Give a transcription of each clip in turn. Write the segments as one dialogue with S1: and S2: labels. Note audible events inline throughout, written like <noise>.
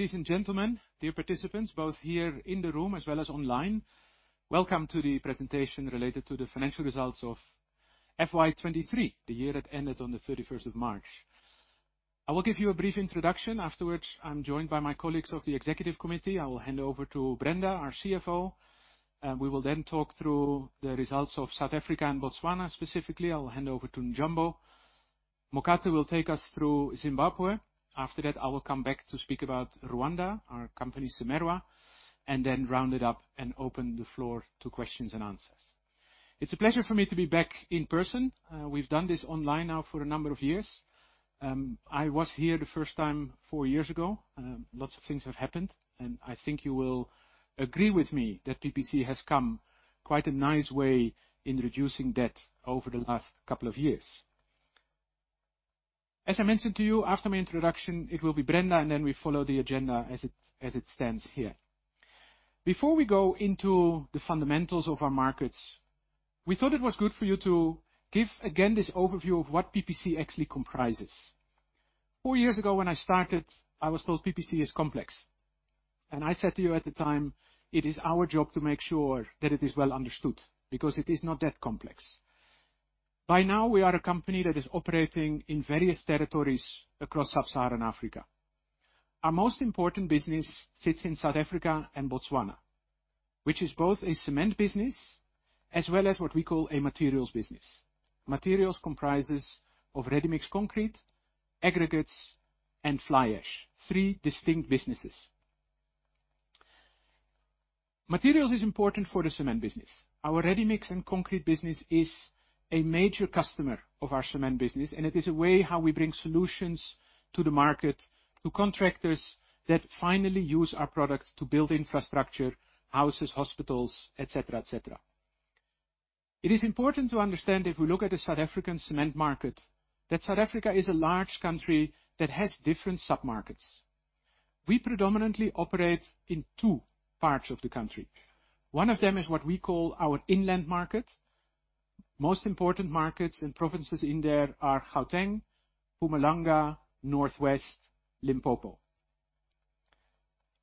S1: Ladies and gentlemen, dear participants, both here in the room as well as online, welcome to the presentation related to the financial results of FY 2023, the year that ended on the 31st of March. I will give you a brief introduction. Afterwards, I'm joined by my colleagues of the executive committee. I will hand over to Brenda, our CFO, and we will then talk through the results of South Africa and Botswana. Specifically, I will hand over to Njombo. Mokate will take us through Zimbabwe. After that, I will come back to speak about Rwanda, our company, CIMERWA, and then round it up and open the floor to questions and answers. It's a pleasure for me to be back in person. We've done this online now for a number of years. I was here the first time, four years ago. Lots of things have happened, and I think you will agree with me that PPC has come quite a nice way in reducing debt over the last couple of years. As I mentioned to you, after my introduction, it will be Brenda, and then we follow the agenda as it stands here. Before we go into the fundamentals of our markets, we thought it was good for you to give, again, this overview of what PPC actually comprises. Four years ago, when I started, I was told PPC is complex, and I said to you at the time, it is our job to make sure that it is well understood, because it is not that complex. By now, we are a company that is operating in various territories across sub-Saharan Africa. Our most important business sits in South Africa and Botswana, which is both a cement business as well as what we call a materials business. Materials comprises of ready-mix concrete, aggregates, and fly ash. Three distinct businesses. Materials is important for the cement business. Our ready-mix and concrete business is a major customer of our cement business, and it is a way how we bring solutions to the market, to contractors that finally use our products to build infrastructure, houses, hospitals, et cetera, et cetera. It is important to understand, if we look at the South African cement market, that South Africa is a large country that has different submarkets. We predominantly operate in two parts of the country. One of them is what we call our inland market. Most important markets and provinces in there are Gauteng, Mpumalanga, Northwest, Limpopo.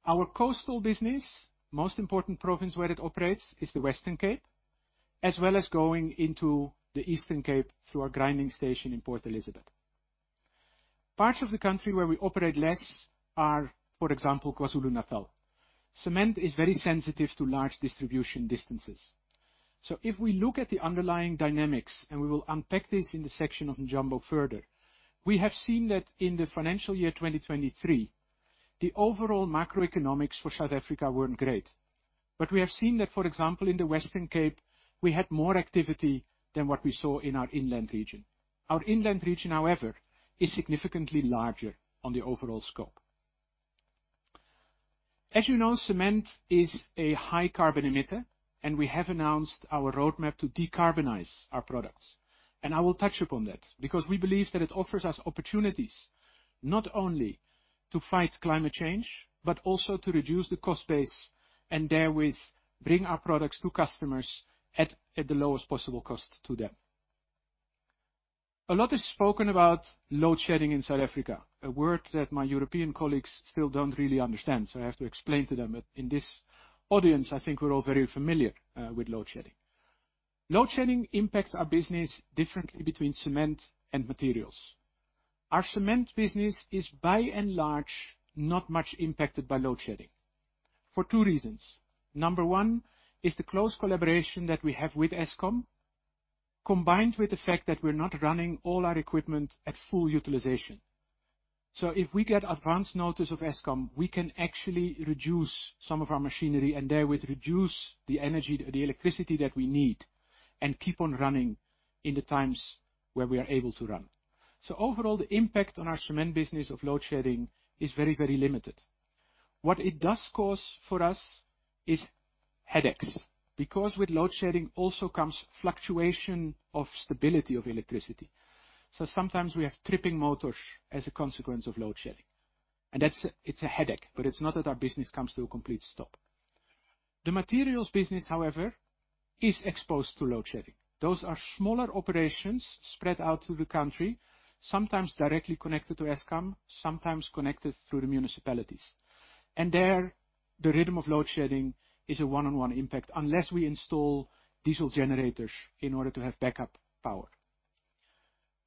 S1: Our coastal business, most important province where it operates is the Western Cape, as well as going into the Eastern Cape through our grinding station in Port Elizabeth. Parts of the country where we operate less are, for example, KwaZulu-Natal. Cement is very sensitive to large distribution distances. If we look at the underlying dynamics, and we will unpack this in the section of Njombo further, we have seen that in the financial year 2023, the overall macroeconomics for `Africa weren't great. We have seen that, for example, in the Western Cape, we had more activity than what we saw in our inland region. Our inland region, however, is significantly larger on the overall scope. As you know, cement is a high carbon emitter, and we have announced our roadmap to decarbonize our products. I will touch upon that, because we believe that it offers us opportunities not only to fight climate change, but also to reduce the cost base and therewith bring our products to customers at the lowest possible cost to them. A lot is spoken about load shedding in South Africa, a word that my European colleagues still don't really understand, so I have to explain to them. In this audience, I think we're all very familiar with load shedding. Load shedding impacts our business differently between cement and materials. Our cement business is, by and large, not much impacted by load shedding for two reasons. Number one is the close collaboration that we have with Eskom, combined with the fact that we're not running all our equipment at full utilization. If we get advanced notice of Eskom, we can actually reduce some of our machinery and therewith reduce the energy, the electricity that we need, and keep on running in the times where we are able to run. Overall, the impact on our cement business of load shedding is very, very limited. What it does cause for us is headaches, because with load shedding also comes fluctuation of stability of electricity. Sometimes we have tripping motors as a consequence of load shedding, and it's a headache, but it's not that our business comes to a complete stop. The materials business, however, is exposed to load shedding. Those are smaller operations spread out through the country, sometimes directly connected to Eskom, sometimes connected through the municipalities. There, the rhythm of load shedding is a one-on-one impact, unless we install diesel generators in order to have backup power.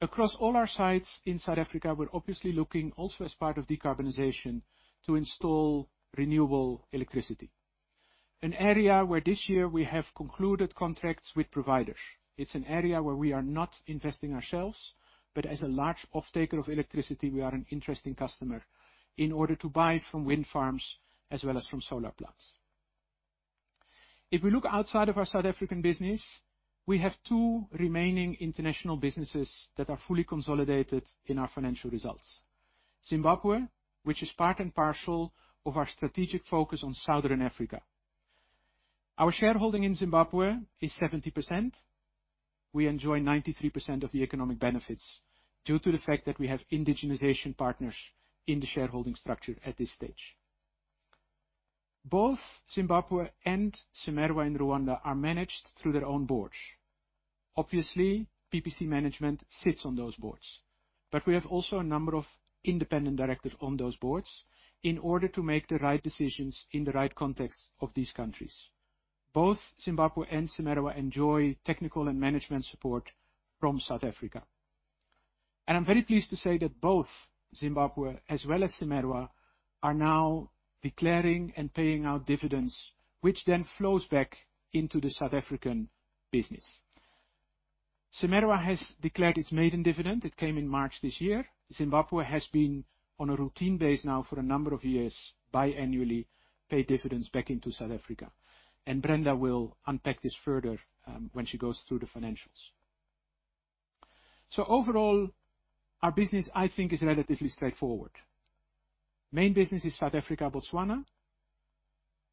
S1: Across all our sites in South Africa, we're obviously looking also as part of decarbonization, to install renewable electricity, an area where this year we have concluded contracts with providers. It's an area where we are not investing ourselves, but as a large off taker of electricity, we are an interesting customer in order to buy from wind farms as well as from solar plants. We look outside of our South African business, we have two remaining international businesses that are fully consolidated in our financial results. Zimbabwe, which is part and parcel of our strategic focus on Southern Africa. Our shareholding in Zimbabwe is 70%. We enjoy 93% of the economic benefits due to the fact that we have indigenisation partners in the shareholding structure at this stage. Both Zimbabwe and CIMERWA in Rwanda are managed through their own boards. Obviously, PPC management sits on those boards, but we have also a number of independent directors on those boards in order to make the right decisions in the right context of these countries. Both Zimbabwe and CIMERWA enjoy technical and management support from South Africa. I'm very pleased to say that both Zimbabwe as well as CIMERWA, are now declaring and paying out dividends, which then flows back into the South African business. CIMERWA has declared its maiden dividend. It came in March this year. Zimbabwe has been on a routine basis now for a number of years, biannually, pay dividends back into South Africa, and Brenda will unpack this further, when she goes through the financials. Overall, our business, I think, is relatively straightforward. Main business is South Africa, Botswana,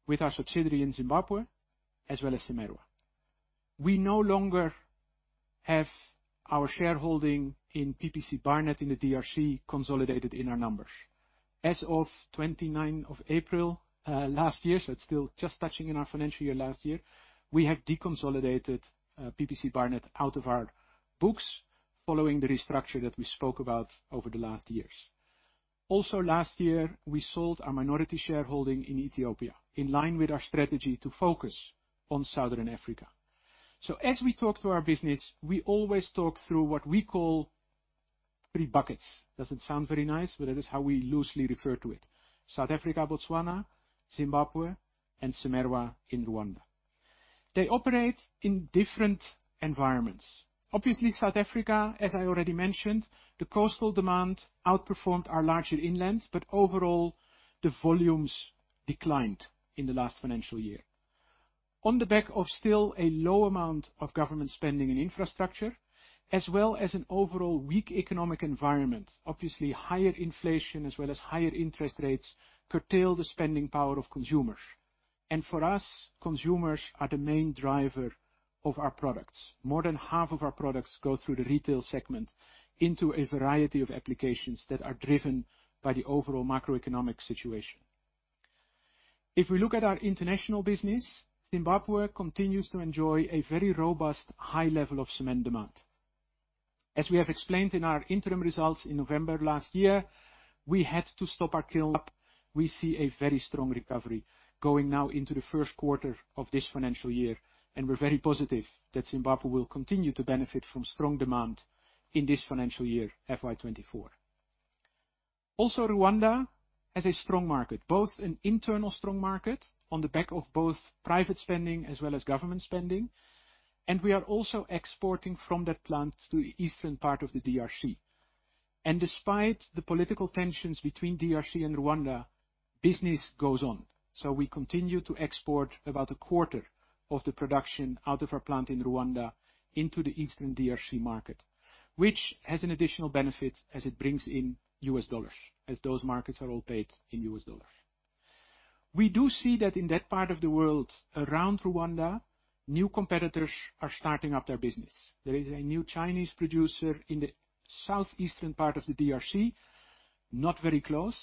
S1: with our subsidiary in Zimbabwe as well as CIMERWA. We no longer have our shareholding in PPC Barnet in the DRC, consolidated in our numbers. As of 29 of April, last year, so it's still just touching in our financial year last year, we have deconsolidated PPC Barnet out of our books, following the restructure that we spoke about over the last years. Last year, we sold our minority shareholding in Ethiopia, in line with our strategy to focus on Southern Africa. As we talk to our business, we always talk through what we call three buckets. Doesn't sound very nice, but that is how we loosely refer to it. South Africa, Botswana, Zimbabwe and CIMERWA in Rwanda. They operate in different environments. Obviously, South Africa, as I already mentioned, the coastal demand outperformed our larger inland. Overall, the volumes declined in the last financial year. On the back of still a low amount of government spending in infrastructure, as well as an overall weak economic environment. Obviously, higher inflation as well as higher interest rates, curtail the spending power of consumers. For us, consumers are the main driver of our products. More than half of our products go through the retail segment into a variety of applications that are driven by the overall macroeconomic situation. If we look at our international business, Zimbabwe continues to enjoy a very robust, high level of cement demand. As we have explained in our interim results in November last year, we had to stop our kiln up. We see a very strong recovery going now into the first quarter of this financial year, and we're very positive that Zimbabwe will continue to benefit from strong demand in this financial year, FY 2024. Rwanda has a strong market, both an internal strong market on the back of both private spending as well as government spending, and we are also exporting from that plant to the eastern part of the DRC. Despite the political tensions between DRC and Rwanda, business goes on, so we continue to export about a quarter of the production out of our plant in Rwanda into the Eastern DRC market. Which has an additional benefit as it brings in U.S. dollars, as those markets are all paid in U.S. dollars. We do see that in that part of the world, around Rwanda, new competitors are starting up their business. There is a new Chinese producer in the southeastern part of the DRC, not very close.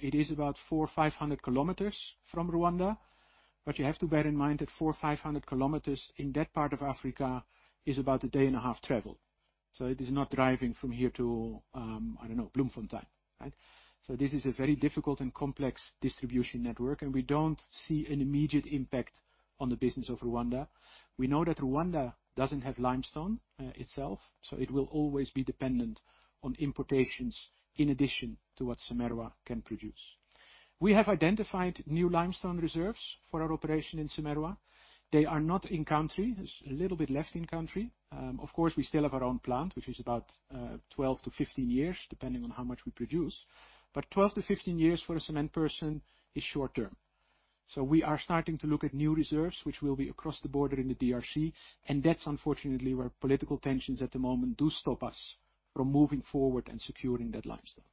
S1: It is about 400 km - 500 km from Rwanda, but you have to bear in mind that 400 km - 500 km in that part of Africa is about a day and a half travel. It is not driving from here to, I don't know, Bloemfontein, right? This is a very difficult and complex distribution network, and we don't see an immediate impact on the business of Rwanda. We know that Rwanda doesn't have limestone itself, so it will always be dependent on importations in addition to what CIMERWA can produce. We have identified new limestone reserves for our operation in CIMERWA. They are not in country, it's a little bit left in country. Of course, we still have our own plant, which is about 12 to 15 years, depending on how much we produce. 12 to 15 years for a cement person is short term. We are starting to look at new reserves, which will be across the border in the DRC, and that's unfortunately, where political tensions at the moment do stop us from moving forward and securing that limestone.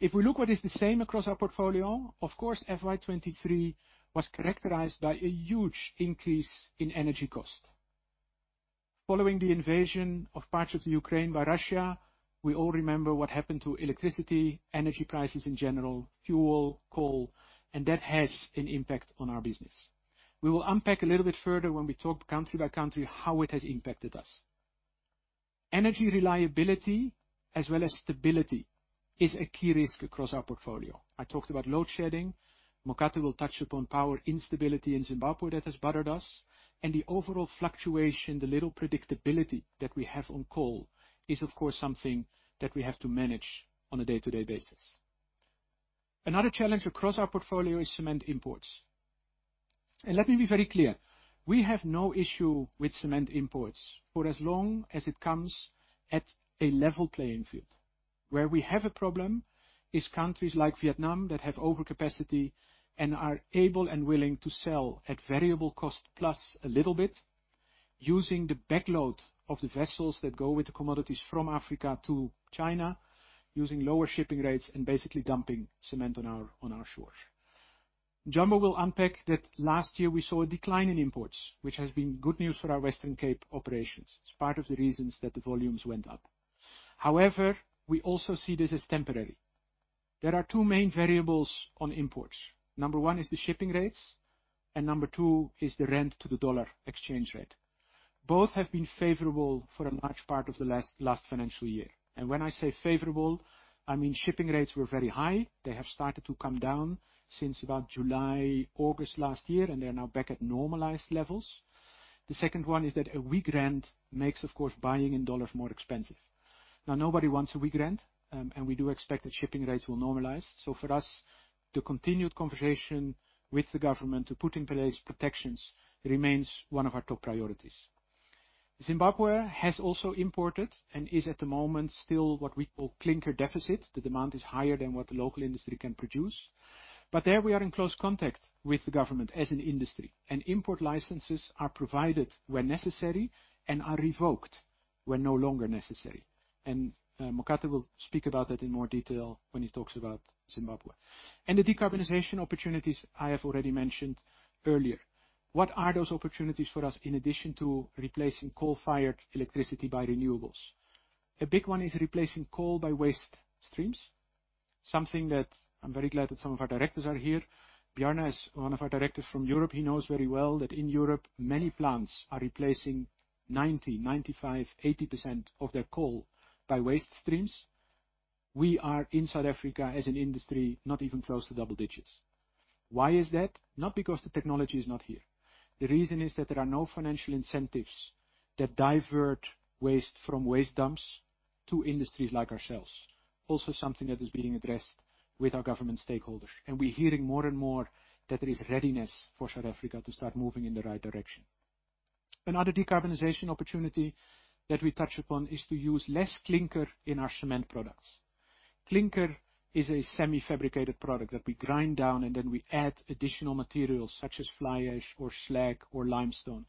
S1: If we look what is the same across our portfolio, of course, FY 2023 was characterized by a huge increase in energy cost. Following the invasion of parts of Ukraine by Russia, we all remember what happened to electricity, energy prices in general, fuel, coal, and that has an impact on our business. We will unpack a little bit further when we talk country by country, how it has impacted us. Energy reliability as well as stability is a key risk across our portfolio. I talked about load shedding. Mokate will touch upon power instability in Zimbabwe that has bothered us and the overall fluctuation, the little predictability that we have on coal, is, of course, something that we have to manage on a day-to-day basis. Another challenge across our portfolio is cement imports. Let me be very clear, we have no issue with cement imports for as long as it comes at a level playing field. Where we have a problem, is countries like Vietnam that have overcapacity and are able and willing to sell at variable cost, plus a little bit, using the backload of the vessels that go with the commodities from Africa to China, using lower shipping rates and basically dumping cement on our shores. Njombo will unpack that. Last year we saw a decline in imports, which has been good news for our Western Cape operations. It's part of the reasons that the volumes went up. However, we also see this as temporary. There are two main variables on imports. Number one is the shipping rates, and number two is the rand to the dollar exchange rate. Both have been favorable for a large part of the last financial year. When I say favorable, I mean, shipping rates were very high. They have started to come down since about July, August last year, and they are now back at normalized levels. The second one is that a weak rand makes, of course, buying in dollars more expensive. Nobody wants a weak rand, and we do expect that shipping rates will normalize. For us, the continued conversation with the government to put in place protections remains one of our top priorities. Zimbabwe has also imported and is, at the moment, still what we call clinker deficit. The demand is higher than what the local industry can produce, but there we are in close contact with the government as an industry, and import licenses are provided when necessary and are revoked when no longer necessary. Mokate will speak about that in more detail when he talks about Zimbabwe. The decarbonization opportunities I have already mentioned earlier. What are those opportunities for us in addition to replacing coal-fired electricity by renewables? A big one is replacing coal by waste streams, something that I'm very glad that some of our directors are here. Bjarne, as one of our directors from Europe, he knows very well that in Europe, many plants are replacing 90%, 95%, 80% of their coal by waste streams. We are in South Africa as an industry, not even close to double digits. Why is that? Not because the technology is not here. The reason is that there are no financial incentives that divert waste from waste dumps to industries like ourselves. Something that is being addressed with our government stakeholders, and we're hearing more and more that there is readiness for South Africa to start moving in the right direction. Another decarbonization opportunity that we touch upon is to use less clinker in our cement products. Clinker is a semi-fabricated product that we grind down, and then we add additional materials such as fly ash or slag or limestone.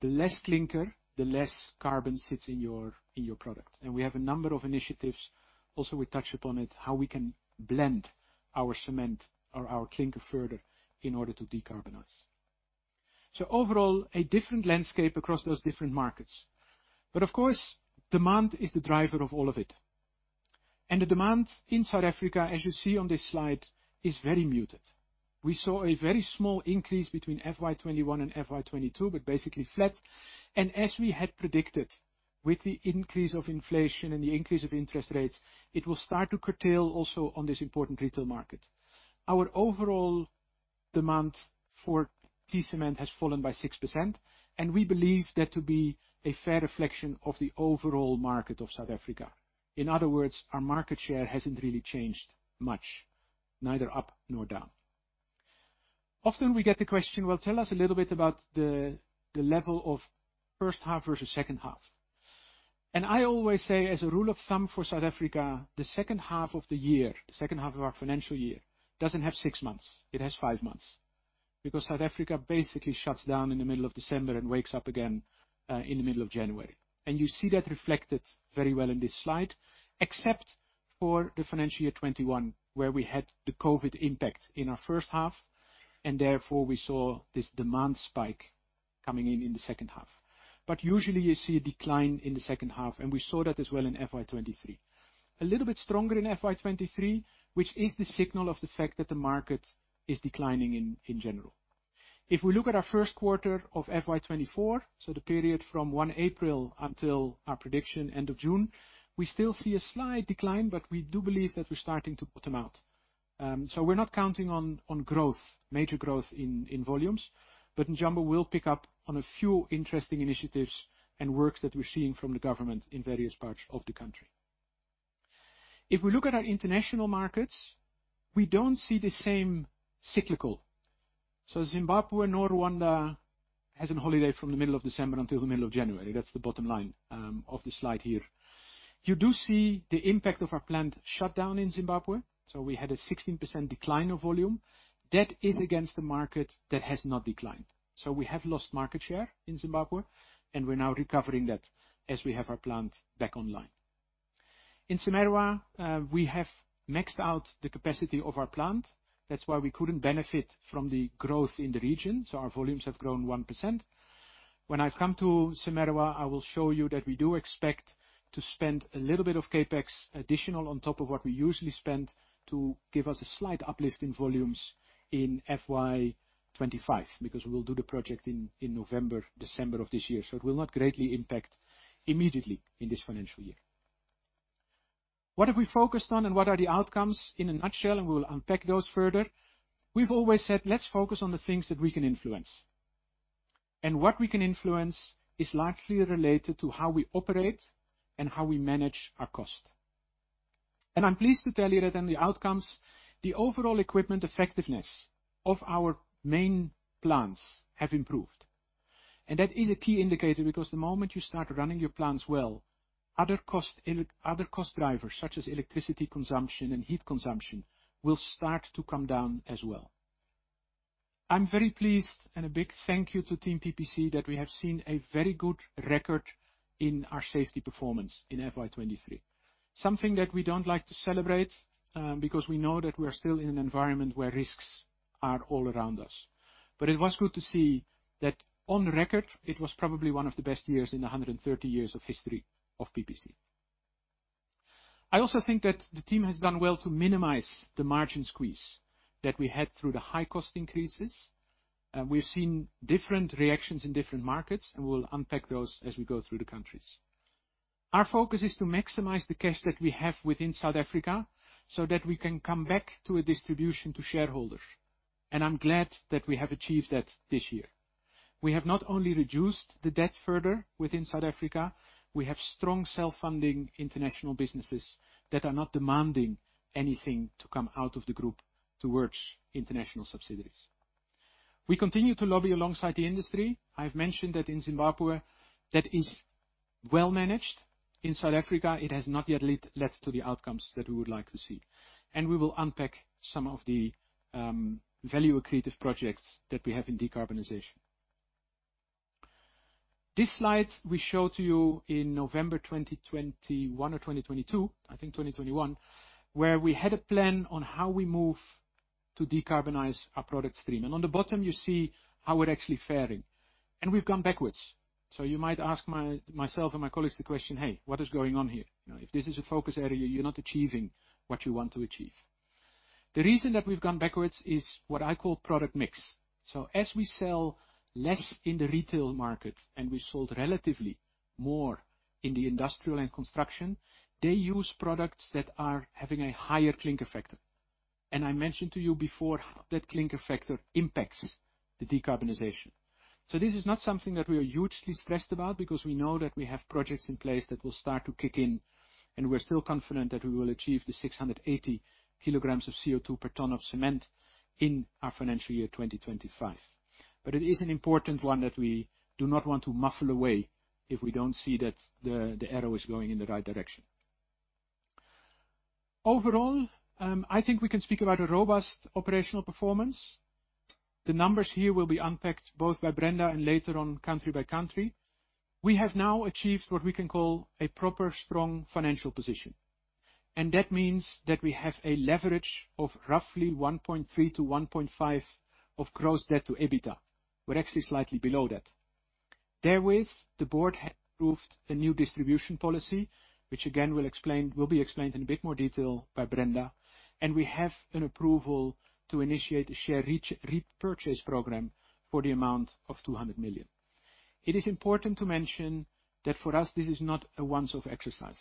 S1: The less clinker, the less carbon sits in your product, and we have a number of initiatives. Also, we touch upon it, how we can blend our cement or our clinker further in order to decarbonize. Overall, a different landscape across those different markets. Of course, demand is the driver of all of it. The demand in South Africa, as you see on this slide, is very muted. We saw a very small increase between FY 2021 and FY 2022, but basically flat. As we had predicted, with the increase of inflation and the increase of interest rates, it will start to curtail also on this important retail market. Our overall demand for t cement has fallen by 6%, and we believe that to be a fair reflection of the overall market of South Africa. In other words, our market share hasn't really changed much, neither up nor down. Often we get the question: "Well, tell us a little bit about the level of first half versus second half." I always say, as a rule of thumb for South Africa, the second half of the year, the second half of our financial year, doesn't have 6 months. It has 5 months, because South Africa basically shuts down in the middle of December and wakes up again in the middle of January. You see that reflected very well in this slide, except for the financial year 2021, where we had the COVID impact in our first half, therefore, we saw this demand spike coming in in the second half. Usually, you see a decline in the second half, and we saw that as well in FY 2023. A little bit stronger in FY 2023, which is the signal of the fact that the market is declining in general. If we look at our first quarter of FY 2024, so the period from 1 April until our prediction, end of June, we still see a slight decline, but we do believe that we're starting to bottom out. We're not counting on growth, major growth in volumes, but Njombo will pick up on a few interesting initiatives and works that we're seeing from the government in various parts of the country. If we look at our international markets, we don't see the same cyclical. Zimbabwe nor Rwanda has an holiday from the middle of December until the middle of January. That's the bottom line of the slide here. You do see the impact of our plant shutdown in Zimbabwe, so we had a 16% decline of volume. That is against the market that has not declined. We have lost market share in Zimbabwe, and we're now recovering that as we have our plant back online. In CIMERWA, we have maxed out the capacity of our plant. That's why we couldn't benefit from the growth in the region. Our volumes have grown 1%. When I come to CIMERWA, I will show you that we do expect to spend a little bit of CapEx, additional on top of what we usually spend, to give us a slight uplift in volumes in FY 2025, because we'll do the project in November, December of this year. It will not greatly impact immediately in this financial year. What have we focused on, and what are the outcomes in a nutshell? We will unpack those further. We've always said, "Let's focus on the things that we can influence." What we can influence is largely related to how we operate and how we manage our cost. I'm pleased to tell you that in the outcomes, the overall equipment effectiveness of our main plants have improved. That is a key indicator, because the moment you start running your plants well, other cost drivers, such as electricity consumption and heat consumption, will start to come down as well. I'm very pleased, and a big thank you to Team PPC, that we have seen a very good record in our safety performance in FY 2023. Something that we don't like to celebrate, because we know that we are still in an environment where risks are all around us. It was good to see that on record, it was probably one of the best years in the 130 years of history of PPC. I also think that the team has done well to minimize the margin squeeze that we had through the high cost increases. We've seen different reactions in different markets, and we'll unpack those as we go through the countries. Our focus is to maximize the cash that we have within South Africa, so that we can come back to a distribution to shareholders, and I'm glad that we have achieved that this year. We have not only reduced the debt further within South Africa, we have strong self-funding international businesses that are not demanding anything to come out of the group towards international subsidiaries. We continue to lobby alongside the industry. I've mentioned that in Zimbabwe, that is well managed. In South Africa, it has not yet led to the outcomes that we would like to see. We will unpack some of the value-accretive projects that we have in decarbonization. This slide we showed to you in November 2021 or 2022, I think 2021, where we had a plan on how we move to decarbonize our product stream. On the bottom, you see how we're actually faring, and we've gone backwards. You might ask myself and my colleagues the question, "Hey, what is going on here? You know, if this is a focus area, you're not achieving what you want to achieve." The reason that we've gone backwards is what I call product mix. As we sell less in the retail market, and we sold relatively more in the industrial and construction, they use products that are having a higher clinker factor. I mentioned to you before, how that clinker factor impacts the decarbonization. This is not something that we are hugely stressed about because we know that we have projects in place that will start to kick in, and we're still confident that we will achieve the 680 kg of CO2 per ton of cement in our financial year 2025. It is an important one that we do not want to muffle away if we don't see that the arrow is going in the right direction. Overall, I think we can speak about a robust operational performance. The numbers here will be unpacked both by Brenda and later on, country by country. We have now achieved what we can call a proper, strong financial position, and that means that we have a leverage of roughly 1.3x-1.5x of gross debt to EBITDA. We're actually slightly below that. Therewith, the board approved a new distribution policy, which again, will be explained in a bit more detail by Brenda. We have an approval to initiate a share repurchase program for the amount of 200 million. It is important to mention that for us, this is not a once-off exercise.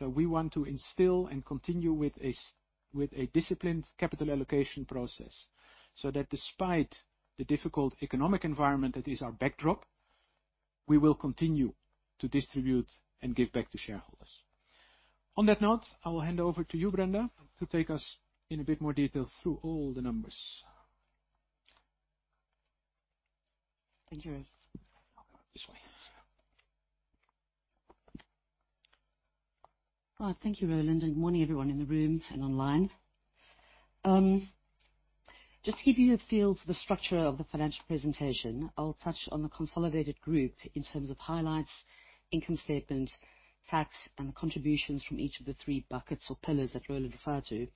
S1: We want to instill and continue with a disciplined capital allocation process, so that despite the difficult economic environment that is our backdrop, we will continue to distribute and give back to shareholders. On that note, I will hand over to you, Brenda, to take us in a bit more detail through all the numbers.
S2: Thank you. <audio distortion> Thank you, Roland, good morning, everyone in the room and online. Just to give you a feel for the structure of the financial presentation, I'll touch on the consolidated group in terms of highlights, income statement, tax, and the contributions from each of the three buckets or pillars that Roland referred to,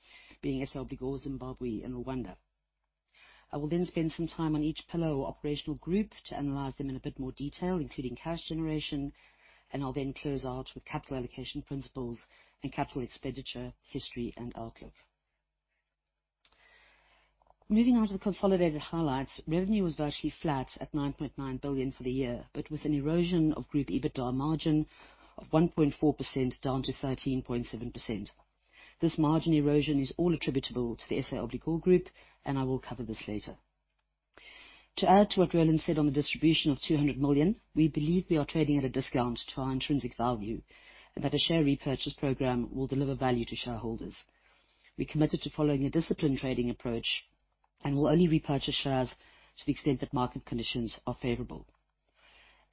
S2: being SA Obligor, Zimbabwe, and Rwanda. I will then spend some time on each pillar or operational group to analyze them in a bit more detail, including cash generation. I'll then close out with capital allocation principles and CapEx, history, and outlook. Moving on to the consolidated highlights, revenue was virtually flat at 9.9 billion for the year, with an erosion of group EBITDA margin of 1.4%, down to 13.7%. This margin erosion is all attributable to the SA Obligor Group, and I will cover this later. To add to what Roland said on the distribution of 200 million, we believe we are trading at a discount to our intrinsic value, and that the share repurchase program will deliver value to shareholders. We're committed to following a disciplined trading approach and will only repurchase shares to the extent that market conditions are favorable.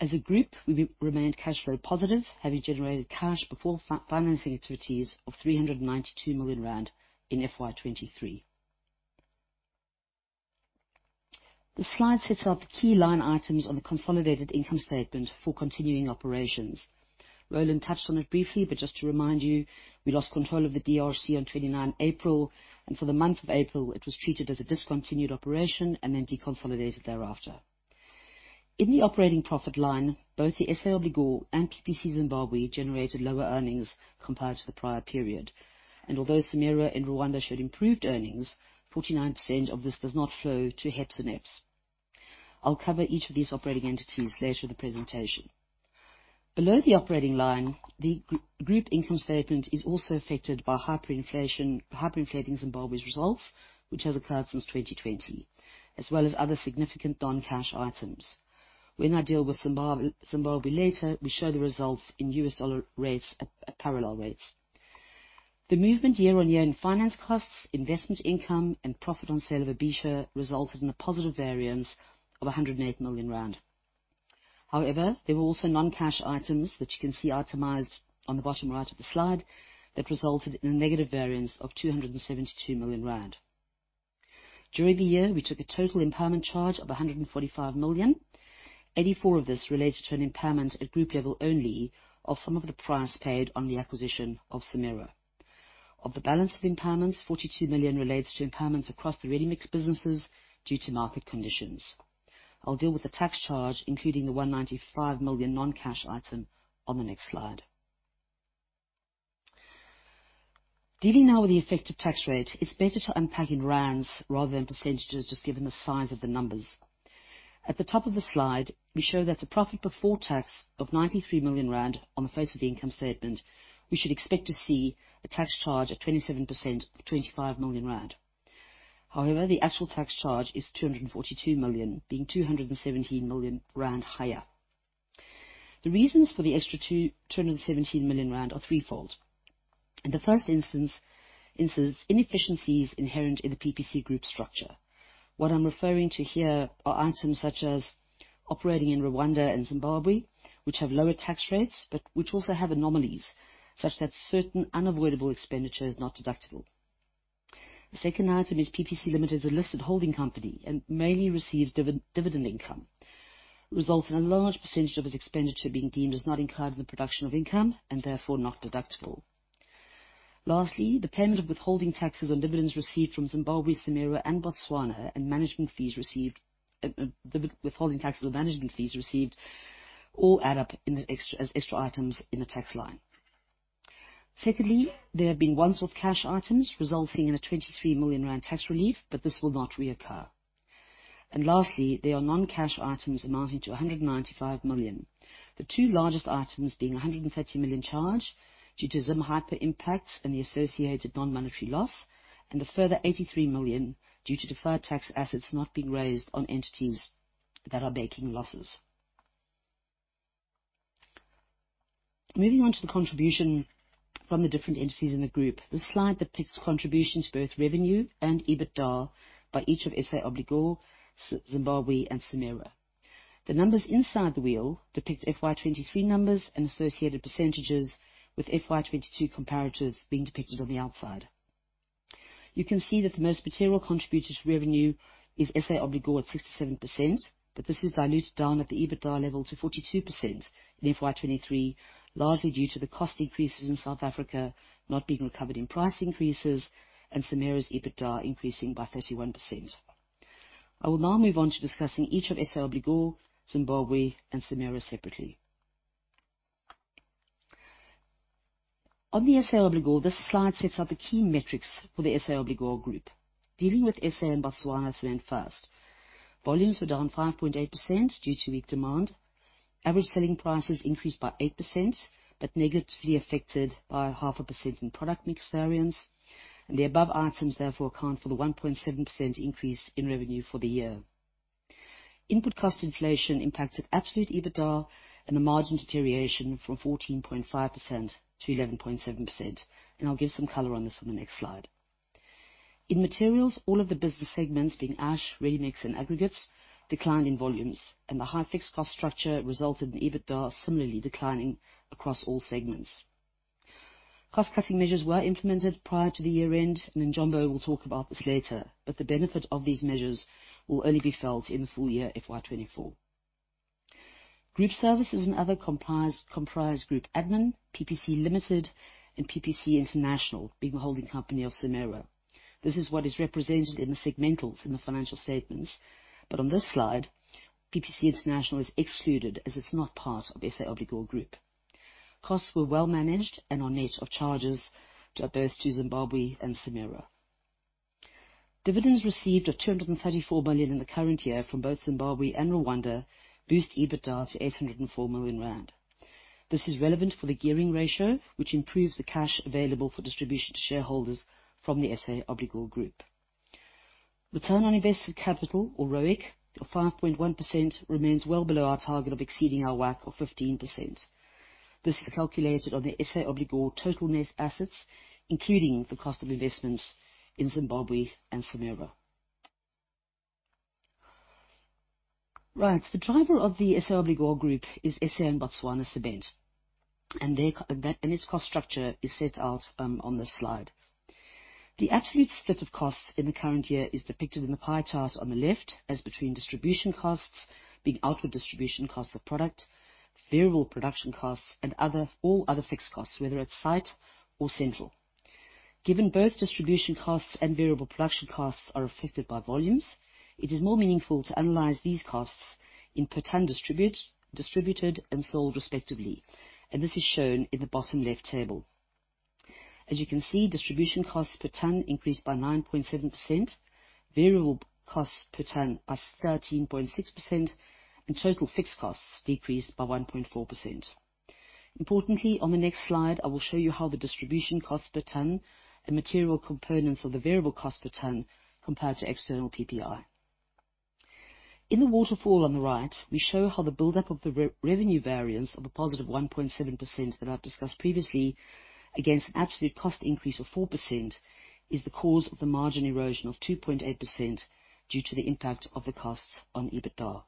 S2: As a group, we remained cash flow positive, having generated cash before financing activities of 392 million rand in FY 2023. The slide sets out the key line items on the consolidated income statement for continuing operations. Roland touched on it briefly, but just to remind you, we lost control of the DRC on 29 April, and for the month of April, it was treated as a discontinued operation and then deconsolidated thereafter. In the operating profit line, both the SA Obligor and PPC Zimbabwe, generated lower earnings compared to the prior period. Although CIMERWA in Rwanda showed improved earnings, 49% of this does not flow to HEPS and EPS. I'll cover each of these operating entities later in the presentation. Below the operating line, the group income statement is also affected by hyperinflation, hyperinflating Zimbabwe's results, which has occurred since 2020, as well as other significant non-cash items. When I deal with Zimbabwe later, we show the results in U.S. dollar rates at parallel rates. The movement year-on-year in finance costs, investment income, and profit on sale of Habesha, resulted in a positive variance of 108 million rand. However, there were also non-cash items that you can see itemized on the bottom right of the slide, that resulted in a negative variance of 272 million rand. During the year, we took a total impairment charge of 145 million. 84 million of this related to an impairment at group level only of some of the price paid on the acquisition of Samira. Of the balance of impairments, 42 million relates to impairments across the ready-mix businesses due to market conditions. I'll deal with the tax charge, including the 195 million non-cash item, on the next slide. Dealing now with the effective tax rate, it's better to unpack in rands rather than percentages, just given the size of the numbers. At the top of the slide, we show that the profit before tax of 93 million rand on the face of the income statement, we should expect to see a tax charge of 27% of 25 million rand. The actual tax charge is 242 million, being 217 million rand higher. The reasons for the extra 217 million rand are threefold. In the first instance, inefficiencies inherent in the PPC group structure. What I'm referring to here are items such as operating in Rwanda and Zimbabwe, which have lower tax rates, but which also have anomalies such that certain unavoidable expenditure is not deductible. The second item is PPC Ltd, a listed holding company, and mainly receives dividend income. Results in a large percentage of its expenditure being deemed as not incurred in the production of income and therefore not deductible. Lastly, the payment of withholding taxes on dividends received from Zimbabwe, Samira and Botswana, and management fees received, withholding tax on the management fees received, all add up in the extra, as extra items in the tax line. Secondly, there have been once-off cash items resulting in a 23 million rand tax relief, but this will not reoccur. Lastly, there are non-cash items amounting to 195 million, the two largest items being a 130 million charge due to Zim hyper impacts and the associated non-monetary loss, and a further 83 million due to deferred tax assets not being raised on entities that are making losses. Moving on to the contribution from the different entities in the group. This slide depicts contributions to both revenue and EBITDA by each of SA Obligor, Zimbabwe, and Samira. The numbers inside the wheel depict FY 2023 numbers and associated percentages, with FY 2022 comparatives being depicted on the outside. Can see that the most material contributor to revenue is SA Obligor at 67%, but this is diluted down at the EBITDA level to 42% in FY 2023, largely due to the cost increases in South Africa not being recovered in price increases and Samira's EBITDA increasing by 31%. I will now move on to discussing each of SA Obligor, Zimbabwe and Samira separately. On the SA Obligor, this slide sets out the key metrics for the SA Obligor group. Dealing with SA & Botswana cement first. Volumes were down 5.8% due to weak demand. Average selling prices increased by 8%, but negatively affected by half a percent in product mix variance. The above items, therefore, account for the 1.7% increase in revenue for the year. Input cost inflation impacted absolute EBITDA and a margin deterioration from 14.5% to 11.7%, and I'll give some color on this on the next slide. In materials, all of the business segments, being ash, ready-mix, and aggregates, declined in volumes, and the high fixed cost structure resulted in EBITDA similarly declining across all segments. Cost-cutting measures were implemented prior to the year-end, and Njombo will talk about this later, but the benefit of these measures will only be felt in the full year FY 2024. Group services and other comprise group admin, PPC Limited, and PPC International, being a holding company of Samira. This is what is represented in the segmentals in the financial statements. On this slide, PPC International is excluded as it's not part of SA Obligor Group. Costs were well managed and are net of charges to both Zimbabwe and Samira. Dividends received of 234 million in the current year from both Zimbabwe and Rwanda boost EBITDA to 804 million rand. This is relevant for the gearing ratio, which improves the cash available for distribution to shareholders from the SA Obligor Group. Return on invested capital, or ROIC, of 5.1%, remains well below our target of exceeding our WACC of 15%. This is calculated on the SA Obligor total net assets, including the cost of investments in Zimbabwe and Samira. Right. The driver of the SA Obligor Group is SA and Botswana Cement, its cost structure is set out on this slide. The absolute split of costs in the current year is depicted in the pie chart on the left as between distribution costs, being outward distribution costs of product, variable production costs, and all other fixed costs, whether at site or central. Given both distribution costs and variable production costs are affected by volumes, it is more meaningful to analyze these costs in per ton distributed and sold, respectively, this is shown in the bottom left table. As you can see, distribution costs per ton increased by 9.7%, variable costs per ton by 13.6%, total fixed costs decreased by 1.4%. Importantly, on the next slide, I will show you how the distribution costs per ton and material components of the variable cost per ton compare to external PPI. In the waterfall on the right, we show how the buildup of the re-revenue variance of a positive 1.7%, that I've discussed previously, against an absolute cost increase of 4%, is the cause of the margin erosion of 2.8% due to the impact of the costs on EBITDA.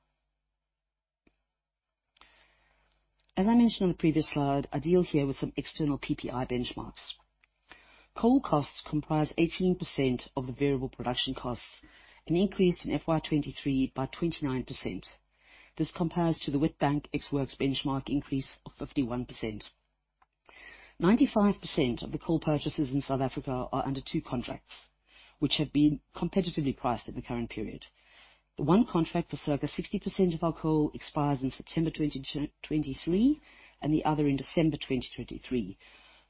S2: As I mentioned on the previous slide, I deal here with some external PPI benchmarks. Coal costs comprise 18% of the variable production costs, an increase in FY 2023 by 29%. This compares to the Witbank ex-works benchmark increase of 51%. 95% of the coal purchases in South Africa are under two contracts, which have been competitively priced in the current period. The one contract for circa 60% of our coal expires in September 2023, and the other in December 2023,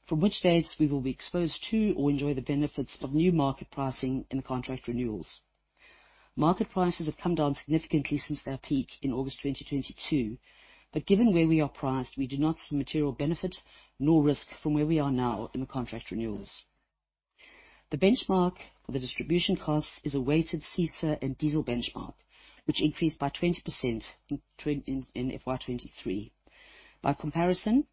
S2: from which dates we will be exposed to or enjoy the benefits of new market pricing in the contract renewals. Market prices have come down significantly since their peak in August 2022. Given where we are priced, we do not see material benefit nor risk from where we are now in the contract renewals. The benchmark for the distribution costs is a weighted CISA and diesel benchmark, which increased by 20% in FY 2023. By comparison,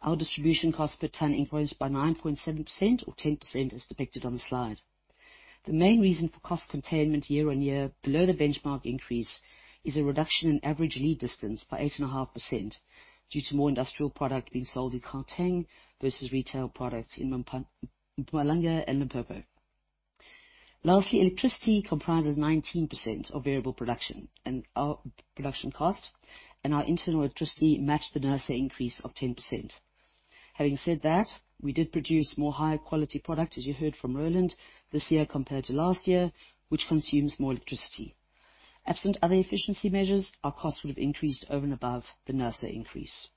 S2: our distribution cost per ton increased by 9.7% or 10%, as depicted on the slide. The main reason for cost containment year-on-year below the benchmark increase is a reduction in average lead distance by 8.5% due to more industrial product being sold in Gauteng versus retail products in Mpumalanga and Limpopo. Lastly, electricity comprises 19% of variable production, and our production cost, and our internal electricity matched the NERSA increase of 10%. Having said that, we did produce more higher quality product, as you heard from Roland, this year compared to last year, which consumes more electricity. Absent other efficiency measures, our costs would have increased over and above the NERSA increase.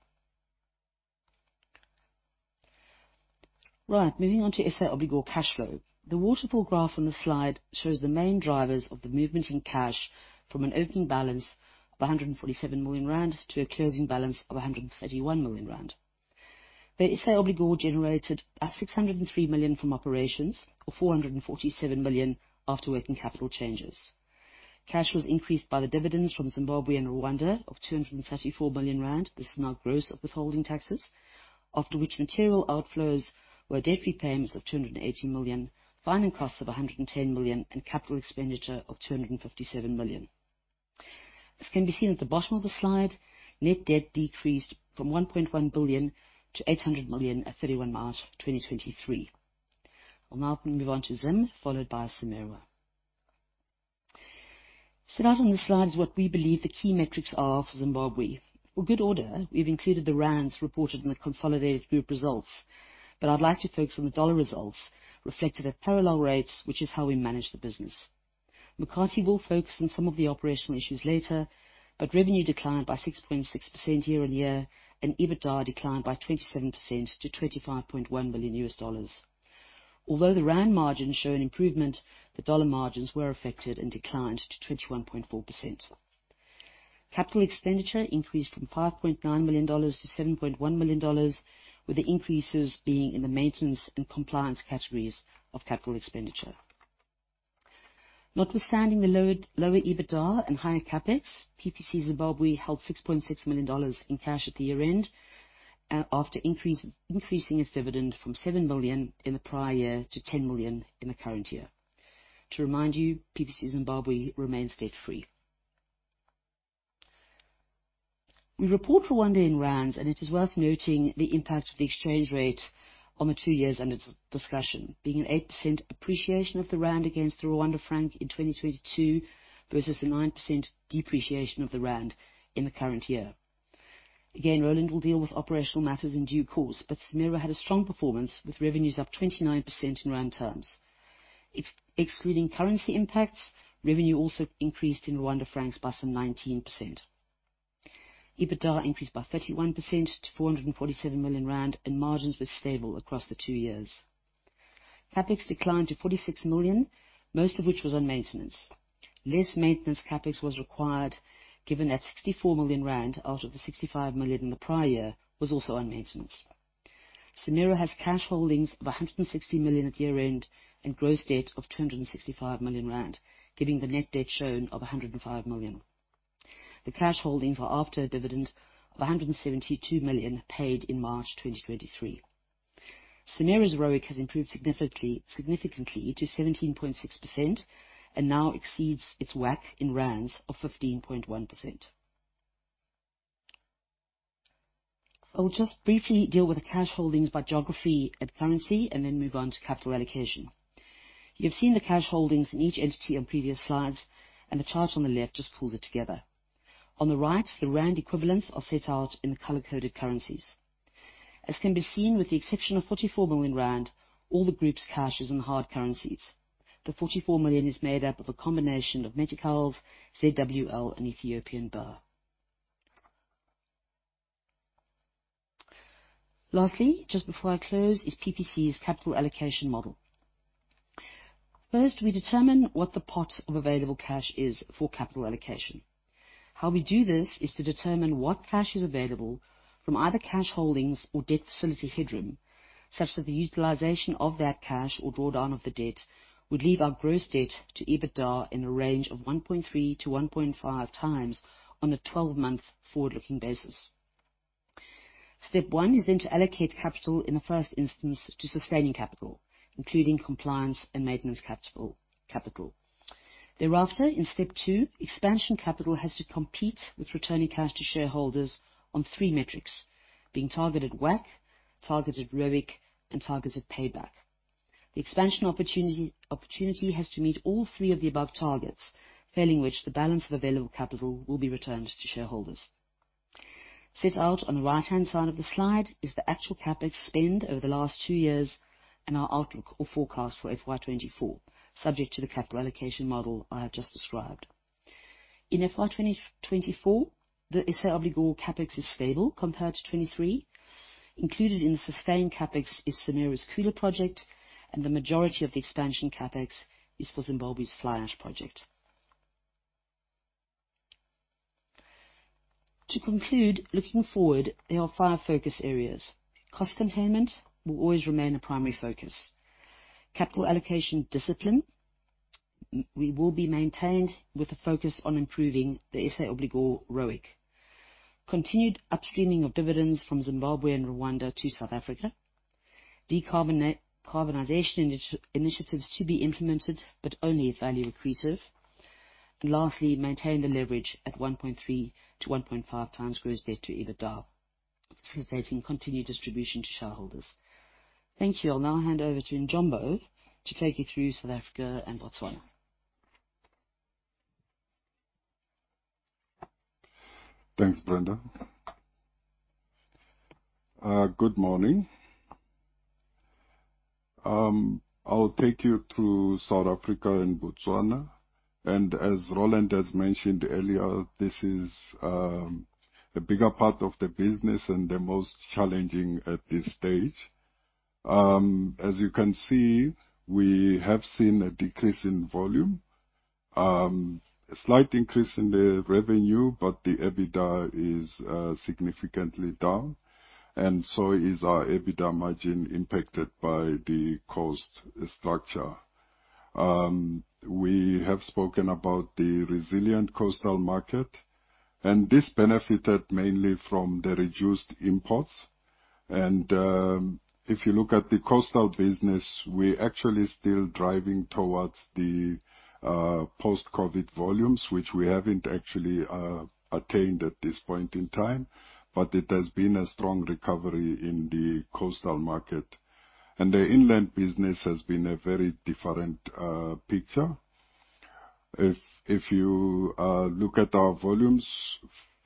S2: Right, moving on to SA Obligor cash flow. The waterfall graph on the slide shows the main drivers of the movement in cash from an opening balance of 147 million rand to a closing balance of 131 million rand. The SA Obligor generated 603 million from operations, or 447 million after working capital changes. Cash was increased by the dividends from Zimbabwe and Rwanda of 234 million rand. This is now gross of withholding taxes, after which material outflows were debt repayments of 280 million, funding costs of 110 million, and capital expenditure of 257 million. This can be seen at the bottom of the slide. Net debt decreased from 1.1 billion to 800 million at 31 March 2023. We'll now move on to Zim, followed by Samira. Set out on this slide is what we believe the key metrics are for Zimbabwe. For good order, we've included the rands reported in the consolidated group results, but I'd like to focus on the dollar results reflected at parallel rates, which is how we manage the business. Mokate will focus on some of the operational issues later, but revenue declined by 6.6% year-on-year, and EBITDA declined by 27% to $25.1 million. Although the rand margins show an improvement, the dollar margins were affected and declined to 21.4%. Capital expenditure increased from $5.9 million to $7.1 million, with the increases being in the maintenance and compliance categories of capital expenditure. Notwithstanding the lower EBITDA and higher CapEx, PPC Zimbabwe held $6.6 million in cash at the year-end, after increasing its dividend from $7 million in the prior year to $10 million in the current year. To remind you, PPC Zimbabwe remains debt-free. We report for one day in rands, and it is worth noting the impact of the exchange rate on the two years under discussion, being an 8% appreciation of the rand against the Rwanda franc in 2022, versus a 9% depreciation of the rand in the current year. Roland will deal with operational matters in due course, but CIMERWA had a strong performance, with revenues up 29% in rand terms. Excluding currency impacts, revenue also increased in Rwanda francs by some 19%. EBITDA increased by 31% to 447 million rand, and margins were stable across the two years. CapEx declined to 46 million, most of which was on maintenance. Less maintenance CapEx was required, given that 64 million rand out of the 65 million in the prior year was also on maintenance. Samira has cash holdings of 160 million at year-end and gross debt of 265 million rand, giving the net debt shown of 105 million. The cash holdings are after a dividend of 172 million paid in March 2023. Samira's ROIC has improved significantly to 17.6% and now exceeds its WACC in rands of 15.1%. I'll just briefly deal with the cash holdings by geography and currency and then move on to capital allocation. You've seen the cash holdings in each entity on previous slides. The chart on the left just pulls it together. On the right, the rand equivalents are set out in the color-coded currencies. As can be seen, with the exception of 44 million rand, all the group's cash is in hard currencies. The 44 million is made up of a combination of Meticals, ZWL, and Ethiopian birr. Lastly, just before I close, is PPC's capital allocation model. First, we determine what the pot of available cash is for capital allocation. How we do this is to determine what cash is available from either cash holdings or debt facility headroom, such that the utilization of that cash or draw down of the debt would leave our gross debt to EBITDA in a range of 1.3x-1.5x on a 12 month forward-looking basis. Step one is to allocate capital in the first instance to sustaining capital, including compliance and maintenance capital. Thereafter, in step two, expansion capital has to compete with returning cash to shareholders on three metrics, being targeted WACC, targeted ROIC, and targeted payback. The expansion opportunity has to meet all three of the above targets, failing which, the balance of available capital will be returned to shareholders. Set out on the right-hand side of the slide is the actual CapEx spend over the last two years, and our outlook or forecast for FY 2024, subject to the capital allocation model I have just described. In FY 2024, the SA Obligor CapEx is stable compared to 23. Included in the sustained CapEx is Samira's Cooler Project, and the majority of the expansion CapEx is for Zimbabwe's Fly Ash project. To conclude, looking forward, there are five focus areas. Cost containment will always remain a primary focus. Capital allocation discipline, we will be maintained with a focus on improving the SA Obligor ROIC. Continued upstreaming of dividends from Zimbabwe and Rwanda to South Africa. Decarbonization initiatives to be implemented, but only if value accretive. Lastly, maintain the leverage at 1.3x-1.5x gross debt to EBITDA, facilitating continued distribution to shareholders. Thank you. I'll now hand over to Njombo to take you through South Africa and Botswana.
S3: Thanks, Brenda. Good morning. I'll take you through South Africa and Botswana, and as Roland has mentioned earlier, this is a bigger part of the business and the most challenging at this stage. As you can see, we have seen a decrease in volume, a slight increase in the revenue, but the EBITDA is significantly down, and so is our EBITDA margin, impacted by the cost structure. We have spoken about the resilient coastal market, and this benefited mainly from the reduced imports. If you look at the coastal business, we're actually still driving towards the post-COVID volumes, which we haven't actually attained at this point in time, but it has been a strong recovery in the coastal market. The inland business has been a very different picture. If you look at our volumes,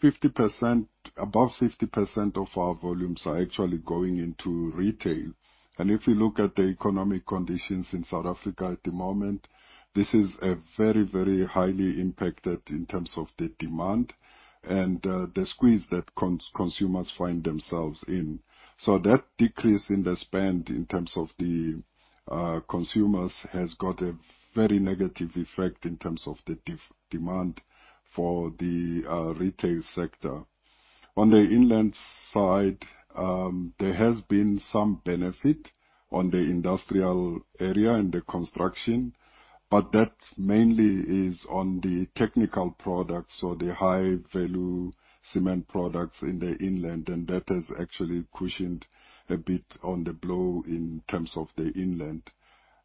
S3: 50%... above 50% of our volumes are actually going into retail. If you look at the economic conditions in South Africa at the moment, this is a very, very highly impacted in terms of the demand and the squeeze that consumers find themselves in. That decrease in the spend in terms of the consumers, has got a very negative effect in terms of the demand for the retail sector. On the inland side, there has been some benefit on the industrial area and the construction, that mainly is on the technical products or the high-value cement products in the inland, and that has actually cushioned a bit on the blow in terms of the inland.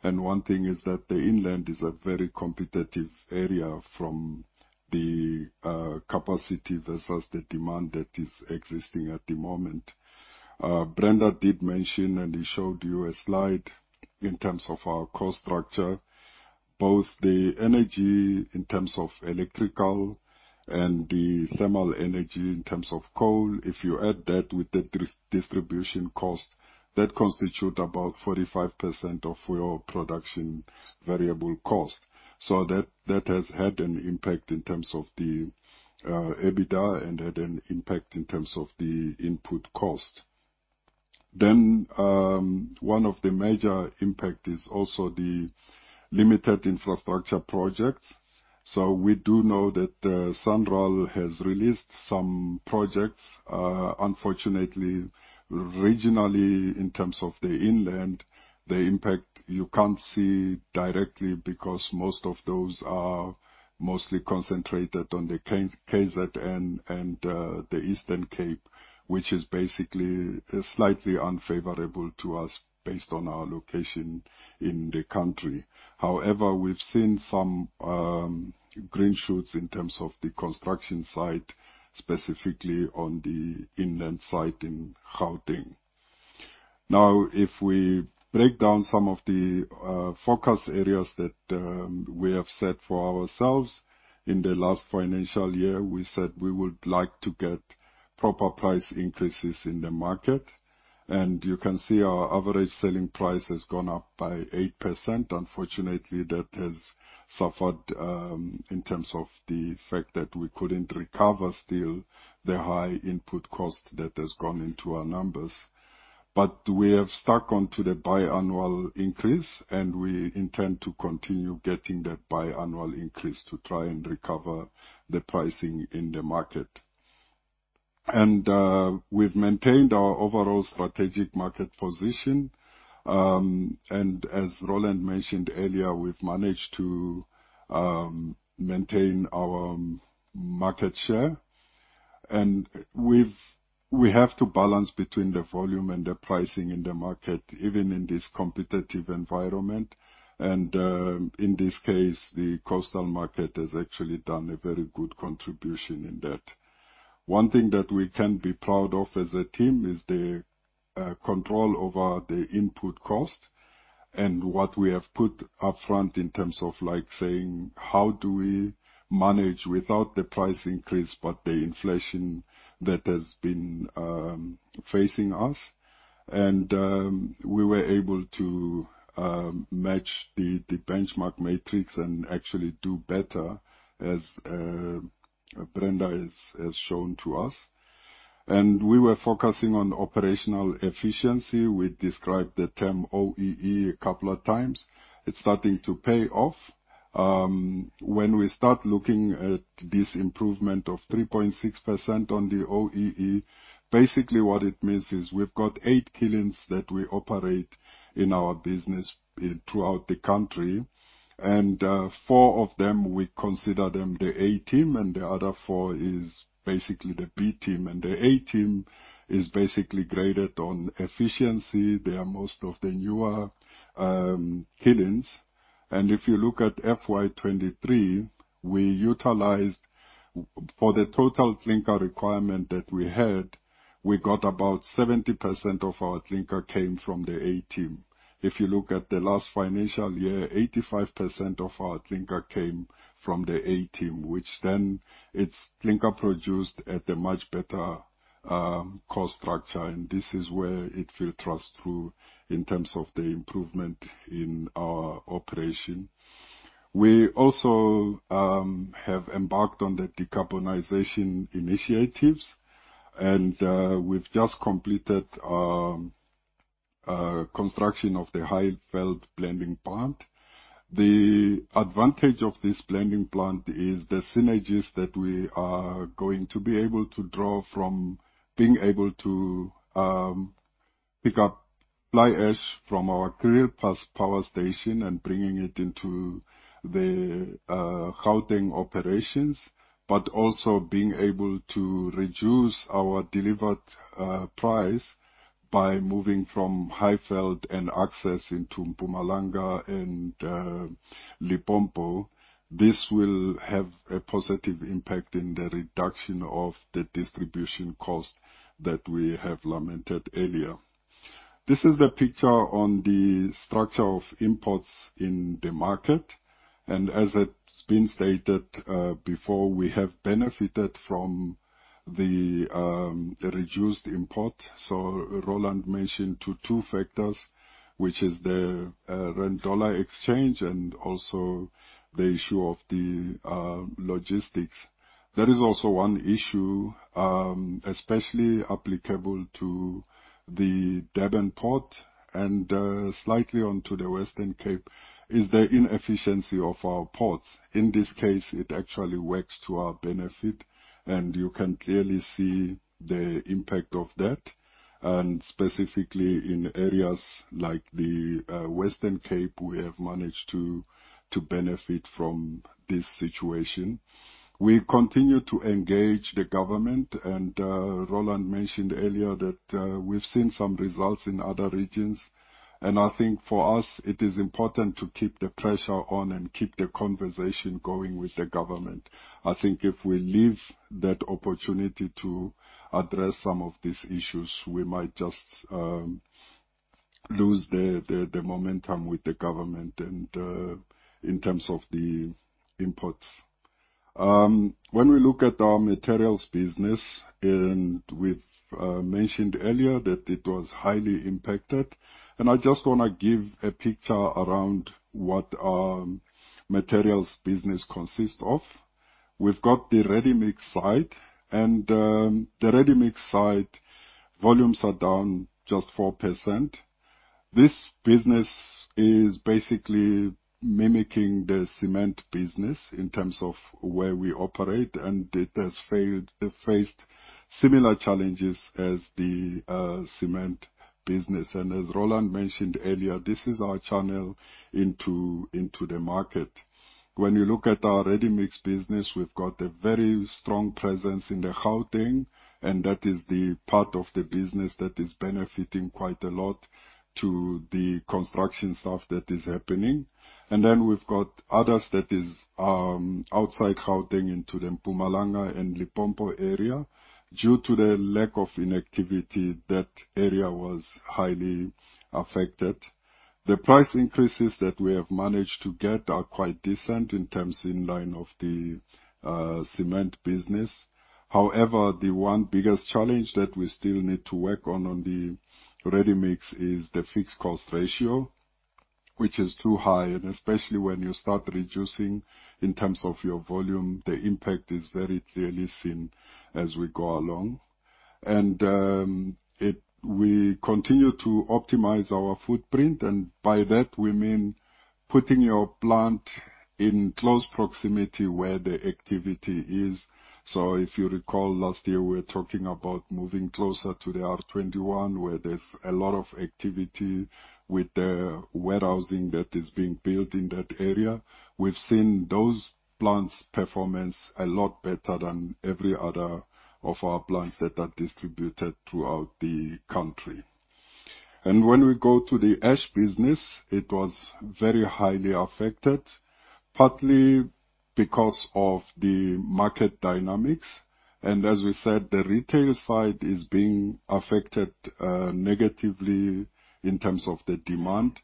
S3: One thing is that the inland is a very competitive area from the capacity versus the demand that is existing at the moment. Brenda did mention, and he showed you a slide, in terms of our cost structure, both the energy in terms of electrical and the thermal energy in terms of coal. If you add that with the distribution cost, that constitute about 45% of your production variable cost. That has had an impact in terms of the EBITDA and had an impact in terms of the input cost. One of the major impact is also the limited infrastructure projects. We do know that SANRAL has released some projects. Unfortunately, regionally, in terms of the inland, the impact you can't see directly because most of those are mostly concentrated on the KZN and the Eastern Cape, which is basically slightly unfavorable to us based on our location in the country. However, we've seen some green shoots in terms of the construction site, specifically on the inland site in Gauteng. If we break down some of the focus areas that we have set for ourselves, in the last financial year, we said we would like to get proper price increases in the market, and you can see our average selling price has gone up by 8%. Unfortunately, that has suffered in terms of the fact that we couldn't recover still the high input cost that has gone into our numbers. We have stuck on to the biannual increase, and we intend to continue getting that biannual increase to try and recover the pricing in the market. We've maintained our overall strategic market position. As Roland mentioned earlier, we've managed to maintain our market share. We have to balance between the volume and the pricing in the market, even in this competitive environment. In this case, the coastal market has actually done a very good contribution in that. One thing that we can be proud of as a team is the control over the input cost and what we have put upfront in terms of, like, saying, how do we manage without the price increase, but the inflation that has been facing us? We were able to match the benchmark matrix and actually do better, as Brenda has shown to us. We were focusing on operational efficiency. We described the term OEE a couple of times. It's starting to pay off. When we start looking at this improvement of 3.6% on the OEE, basically, what it means is we've got eight kilns that we operate in our business in, throughout the country, and four of them, we consider them the A team, and the other four is basically the B team. The A team is basically graded on efficiency. They are most of the newer kilns. If you look at FY 2023, we utilized, for the total clinker requirement that we had, we got about 70% of our clinker came from the A team. If you look at the last financial year, 85% of our clinker came from the A team, which then it's clinker produced at a much better cost structure, and this is where it filters through in terms of the improvement in our operation. We also have embarked on the decarbonization initiatives, and we've just completed construction of the Highveld blending plant. The advantage of this blending plant is the synergies that we are going to be able to draw from being able to pick up fly ash from our Kriel Power Station and bringing it into the Gauteng operations, but also being able to reduce our delivered price by moving from Highveld and access into Mpumalanga and Limpopo. This will have a positive impact in the reduction of the distribution cost that we have lamented earlier. This is the picture on the structure of imports in the market. As it's been stated before, we have benefited from the reduced import. Roland mentioned to two factors, which is the rand/dollar exchange and also the issue of the logistics. There is also one issue, especially applicable to the Durban port and slightly on the Western Cape, is the inefficiency of our ports. In this case, it actually works to our benefit. You can clearly see the impact of that, specifically in areas like the Western Cape, we have managed to benefit from this situation. We continue to engage the government. Roland mentioned earlier that we've seen some results in other regions. I think for us, it is important to keep the pressure on and keep the conversation going with the government. I think if we leave that opportunity to address some of these issues, we might just lose the momentum with the government in terms of the imports. When we look at our materials business, and we've mentioned earlier that it was highly impacted, and I just wanna give a picture around what our materials business consists of. We've got the ready-mix side, and the ready-mix side, volumes are down just 4%. This business is basically mimicking the cement business in terms of where we operate, and it faced similar challenges as the cement business. As Roland mentioned earlier, this is our channel into the market. When you look at our ready-mix business, we've got a very strong presence in the Gauteng, that is the part of the business that is benefiting quite a lot to the construction stuff that is happening. Then we've got others that is outside Gauteng into the Mpumalanga and Limpopo area. Due to the lack of inactivity, that area was highly affected. The price increases that we have managed to get are quite decent in terms in line of the cement business. However, the one biggest challenge that we still need to work on the ready-mix is the fixed cost ratio, which is too high, especially when you start reducing in terms of your volume, the impact is very clearly seen as we go along. We continue to optimize our footprint, by that, we mean putting your plant in close proximity where the activity is. If you recall, last year, we were talking about moving closer to the R21, where there's a lot of activity with the warehousing that is being built in that area. We've seen those plants' performance a lot better than every other of our plants that are distributed throughout the country. When we go to the ash business, it was very highly affected, partly because of the market dynamics. As we said, the retail side is being affected negatively in terms of the demand.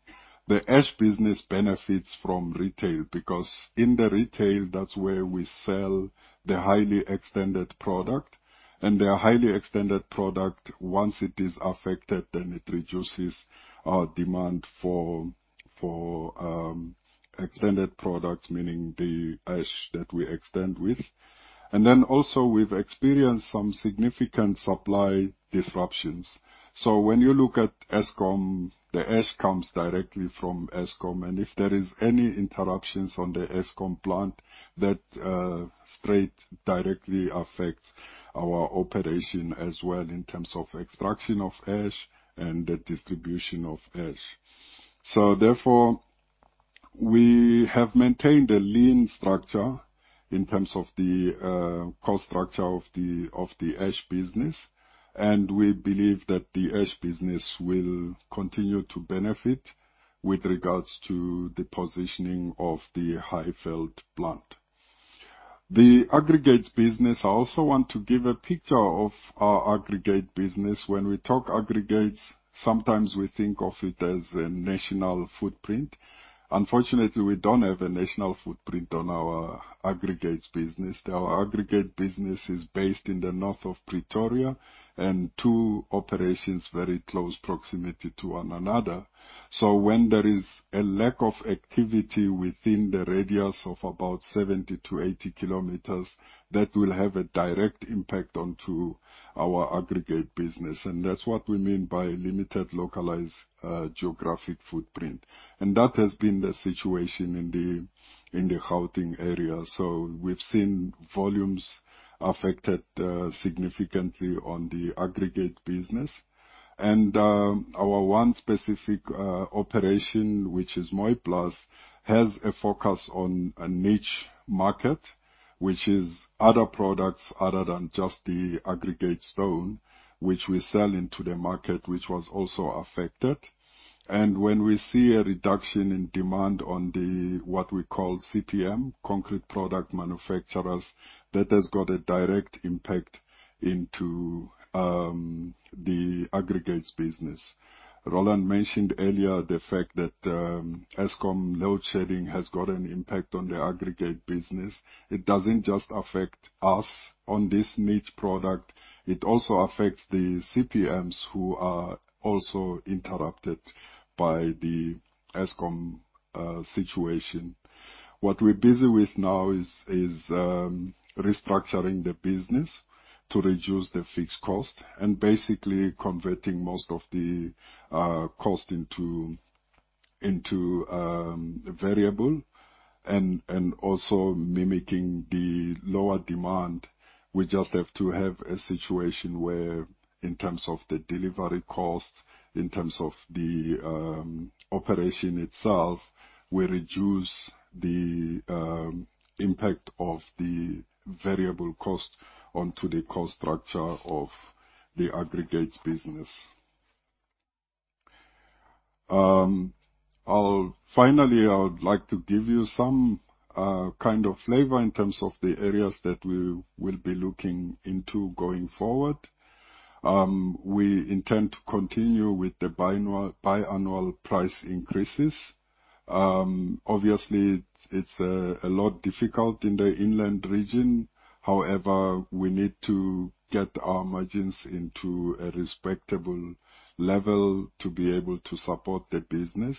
S3: The ash business benefits from retail, because in the retail, that's where we sell the highly extended product. The highly extended product, once it is affected, then it reduces our demand for extended products, meaning the ash that we extend with. We've experienced some significant supply disruptions. When you look at Eskom, the ash comes directly from Eskom, and if there is any interruptions on the Eskom plant, that directly affects our operation as well in terms of extraction of ash and the distribution of ash. We have maintained a lean structure in terms of the cost structure of the ash business, and we believe that the ash business will continue to benefit with regards to the positioning of the Highveld plant. The aggregates business, I also want to give a picture of our aggregate business. When we talk aggregates, sometimes we think of it as a national footprint. Unfortunately, we don't have a national footprint on our aggregates business. Our aggregate business is based in the north of Pretoria, two operations very close proximity to one another. When there is a lack of activity within the radius of about 70 km-80 km, that will have a direct impact onto our aggregate business, and that's what we mean by limited, localized, geographic footprint. That has been the situation in the, in the Gauteng area. We've seen volumes affected, significantly on the aggregate business. Our one specific operation, which is Mooiplaas, has a focus on a niche market, which is other products other than just the aggregate stone, which we sell into the market, which was also affected. When we see a reduction in demand on the, what we call CPM, Concrete Product Manufacturers, that has got a direct impact into the aggregates business. Roland mentioned earlier the fact that Eskom load shedding has got an impact on the aggregates business. It doesn't just affect us on this niche product, it also affects the CPMs, who are also interrupted by the Eskom situation. What we're busy with now is restructuring the business to reduce the fixed cost and basically converting most of the cost into variable and also mimicking the lower demand. We just have to have a situation where, in terms of the delivery cost, in terms of the operation itself, we reduce the impact of the variable cost onto the cost structure of the aggregates business. Finally, I would like to give you some kind of flavor in terms of the areas that we will be looking into going forward. We intend to continue with the biannual price increases. Obviously, it's a lot difficult in the inland region. However, we need to get our margins into a respectable level to be able to support the business.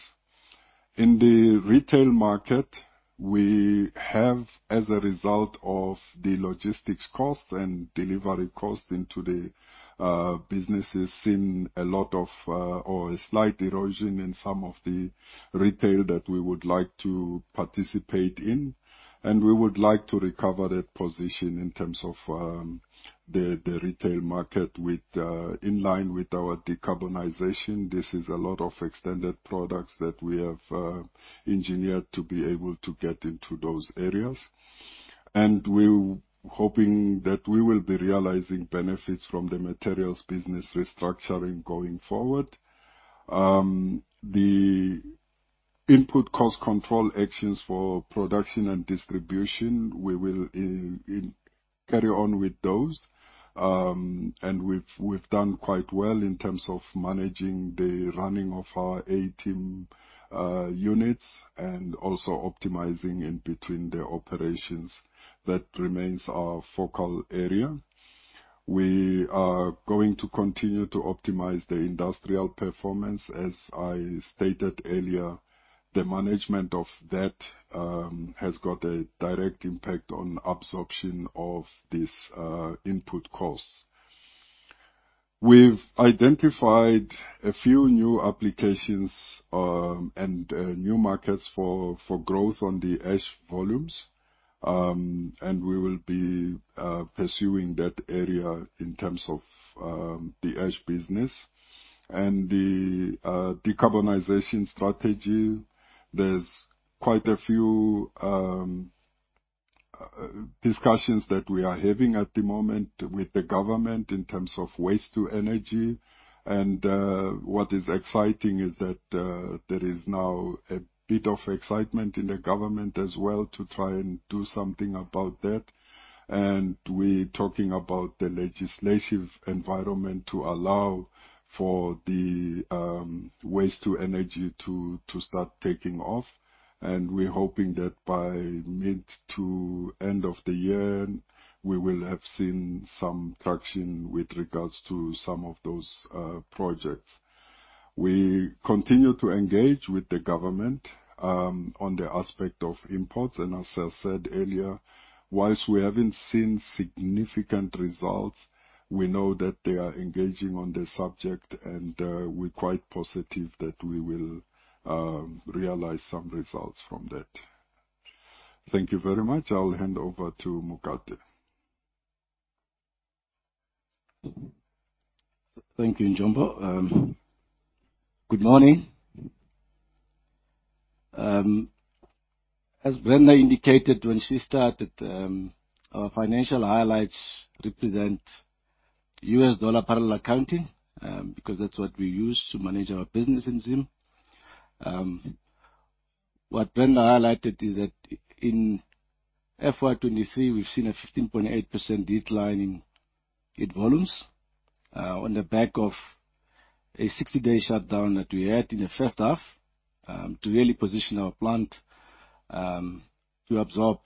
S3: In the retail market, we have, as a result of the logistics costs and delivery costs into the businesses, seen a lot of or a slight erosion in some of the retail that we would like to participate in, and we would like to recover that position in terms of the retail market. In line with our decarbonization. This is a lot of extended products that we have engineered to be able to get into those areas. We're hoping that we will be realizing benefits from the materials business restructuring going forward. The input cost control actions for production and distribution, we will carry on with those. We've done quite well in terms of managing the running of our A team units and also optimizing in between the operations. That remains our focal area. We are going to continue to optimize the industrial performance. As I stated earlier, the management of that has got a direct impact on absorption of this input costs. We've identified a few new applications and new markets for growth on the ash volumes. We will be pursuing that area in terms of the ash business. The decarbonization strategy, there's quite a few discussions that we are having at the moment with the government in terms of waste to energy. What is exciting is that there is now a bit of excitement in the government as well to try and do something about that. We talking about the legislative environment to allow for the waste to energy to start taking off. We're hoping that by mid to end of the year, we will have seen some traction with regards to some of those projects. We continue to engage with the government on the aspect of imports, and as I said earlier, whilst we haven't seen significant results, we know that they are engaging on the subject, and we're quite positive that we will realize some results from that. Thank you very much. I'll hand over to Mokate.
S4: Thank you, Njombo. Good morning. As Brenda indicated when she started, our financial highlights represent U.S. dollar parallel accounting, because that's what we use to manage our business in Zim. What Brenda highlighted is that in FY 2023, we've seen a 15.8% decline in volumes, on the back of a 60-day shutdown that we had in the first half, to really position our plant, to absorb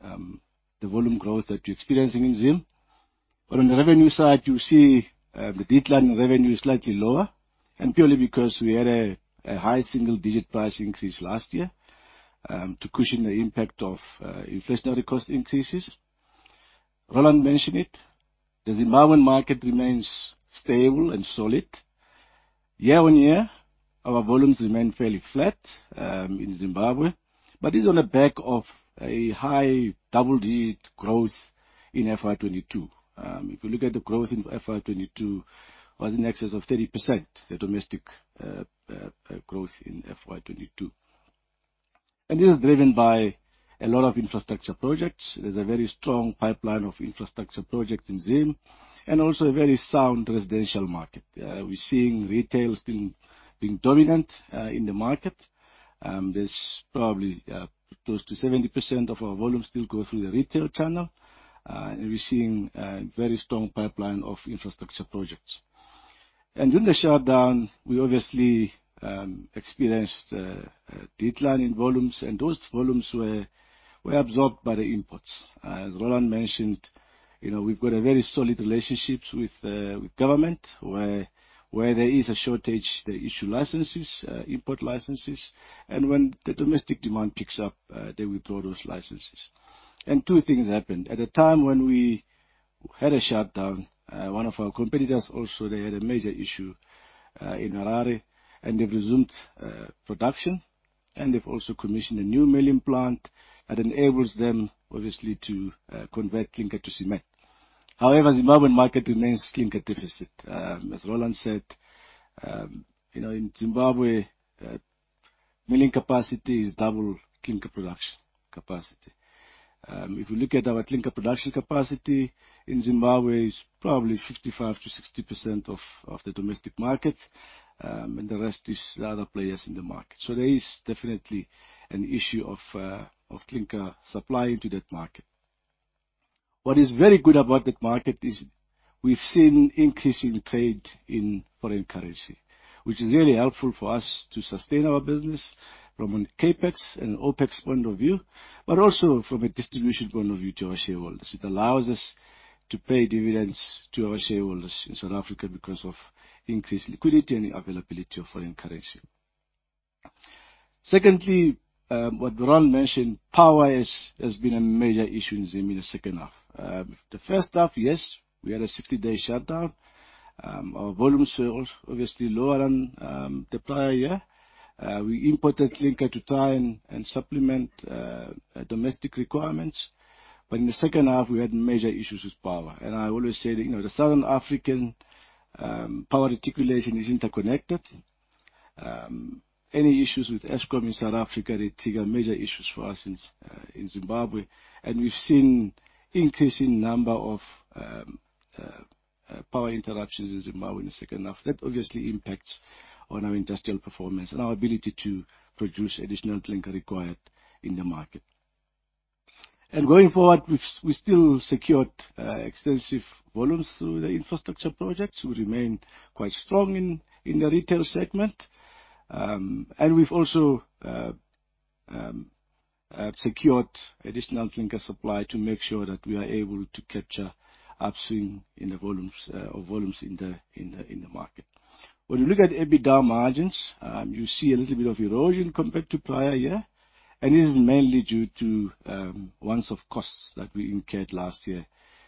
S4: the volume growth that we're experiencing in Zim. On the revenue side, you see, the decline in revenue is slightly lower, purely because we had a high single-digit price increase last year, to cushion the impact of inflationary cost increases. Roland mentioned it. The Zimbabwean market remains stable and solid. Year-over-year, our volumes remain fairly flat in PPC Zimbabwe, but it's on the back of a high double-digit growth in FY 202022. If you look at the growth in FY 22, was in excess of 30%, the domestic growth in FY 2022. This is driven by a lot of infrastructure projects. There's a very strong pipeline of infrastructure projects in Zim, and also a very sound residential market. We're seeing retail still being dominant in the market, and there's probably close to 70% of our volumes still go through the retail channel. We're seeing a very strong pipeline of infrastructure projects. During the shutdown, we obviously experienced a decline in volumes, and those volumes were absorbed by the imports. As Roland mentioned, you know, we've got a very solid relationships with government, where there is a shortage, they issue licenses, import licenses. When the domestic demand picks up, they withdraw those licenses. Two things happened. At the time when we had a shutdown, one of our competitors also, they had a major issue in Harare, and they've resumed production, and they've also commissioned a new milling plant that enables them, obviously, to convert clinker to cement. However, Zimbabwean market remains clinker deficit. As Roland said, you know, in Zimbabwe, milling capacity is double clinker production capacity. If you look at our clinker production capacity in Zimbabwe, is probably 55%-60% of the domestic market, and the rest is the other players in the market. There is definitely an issue of clinker supply into that market. What is very good about that market is we've seen increasing trade in foreign currency, which is really helpful for us to sustain our business from a CapEx and OpEx point of view, but also from a distribution point of view to our shareholders. It allows us to pay dividends to our shareholders in South Africa because of increased liquidity and availability of foreign currency. Secondly, what Roland mentioned, power has been a major issue in Zim in the second half. The first half, yes, we had a 60-day shutdown. Our volumes were obviously lower than the prior year. We imported clinker to try and supplement domestic requirements. In the second half, we had major issues with power. I always say that, you know, the Southern African power reticulation is interconnected. Any issues with Eskom in South Africa, they trigger major issues for us in Zimbabwe. We've seen increasing number of power interruptions in Zimbabwe in the second half. That obviously impacts on our industrial performance and our ability to produce additional clinker required in the market. Going forward, we still secured extensive volumes through the infrastructure projects. We remain quite strong in the retail segment. We've also secured additional clinker supply to make sure that we are able to capture upswing in the volumes or volumes in the market. When you look at EBITDA margins, you see a little bit of erosion compared to prior year. This is mainly due to once-off costs that we incurred last year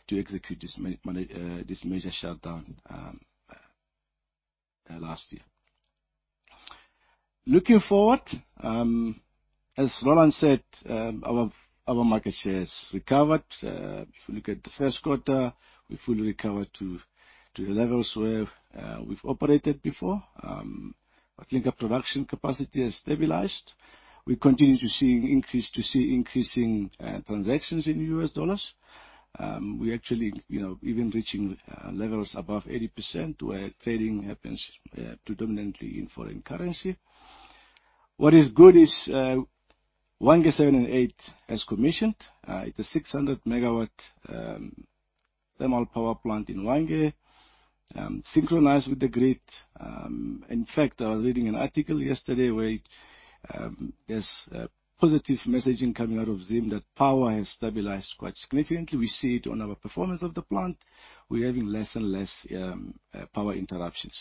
S4: to execute this major shutdown last year. Looking forward, as Roland said, our market share has recovered. If you look at the first quarter, we've fully recovered to the levels where we've operated before. Our clinker production capacity has stabilized. We continue to see increasing transactions in US dollars. We actually, you know, even reaching levels above 80%, where trading happens predominantly in foreign currency. What is good is Hwange seven and eight has commissioned, it's a 600 MW thermal power plant in Hwange, synchronized with the grid. In fact, I was reading an article yesterday where there's a positive messaging coming out of Zim, that power has stabilized quite significantly. We see it on our performance of the plant. We're having less and less power interruptions.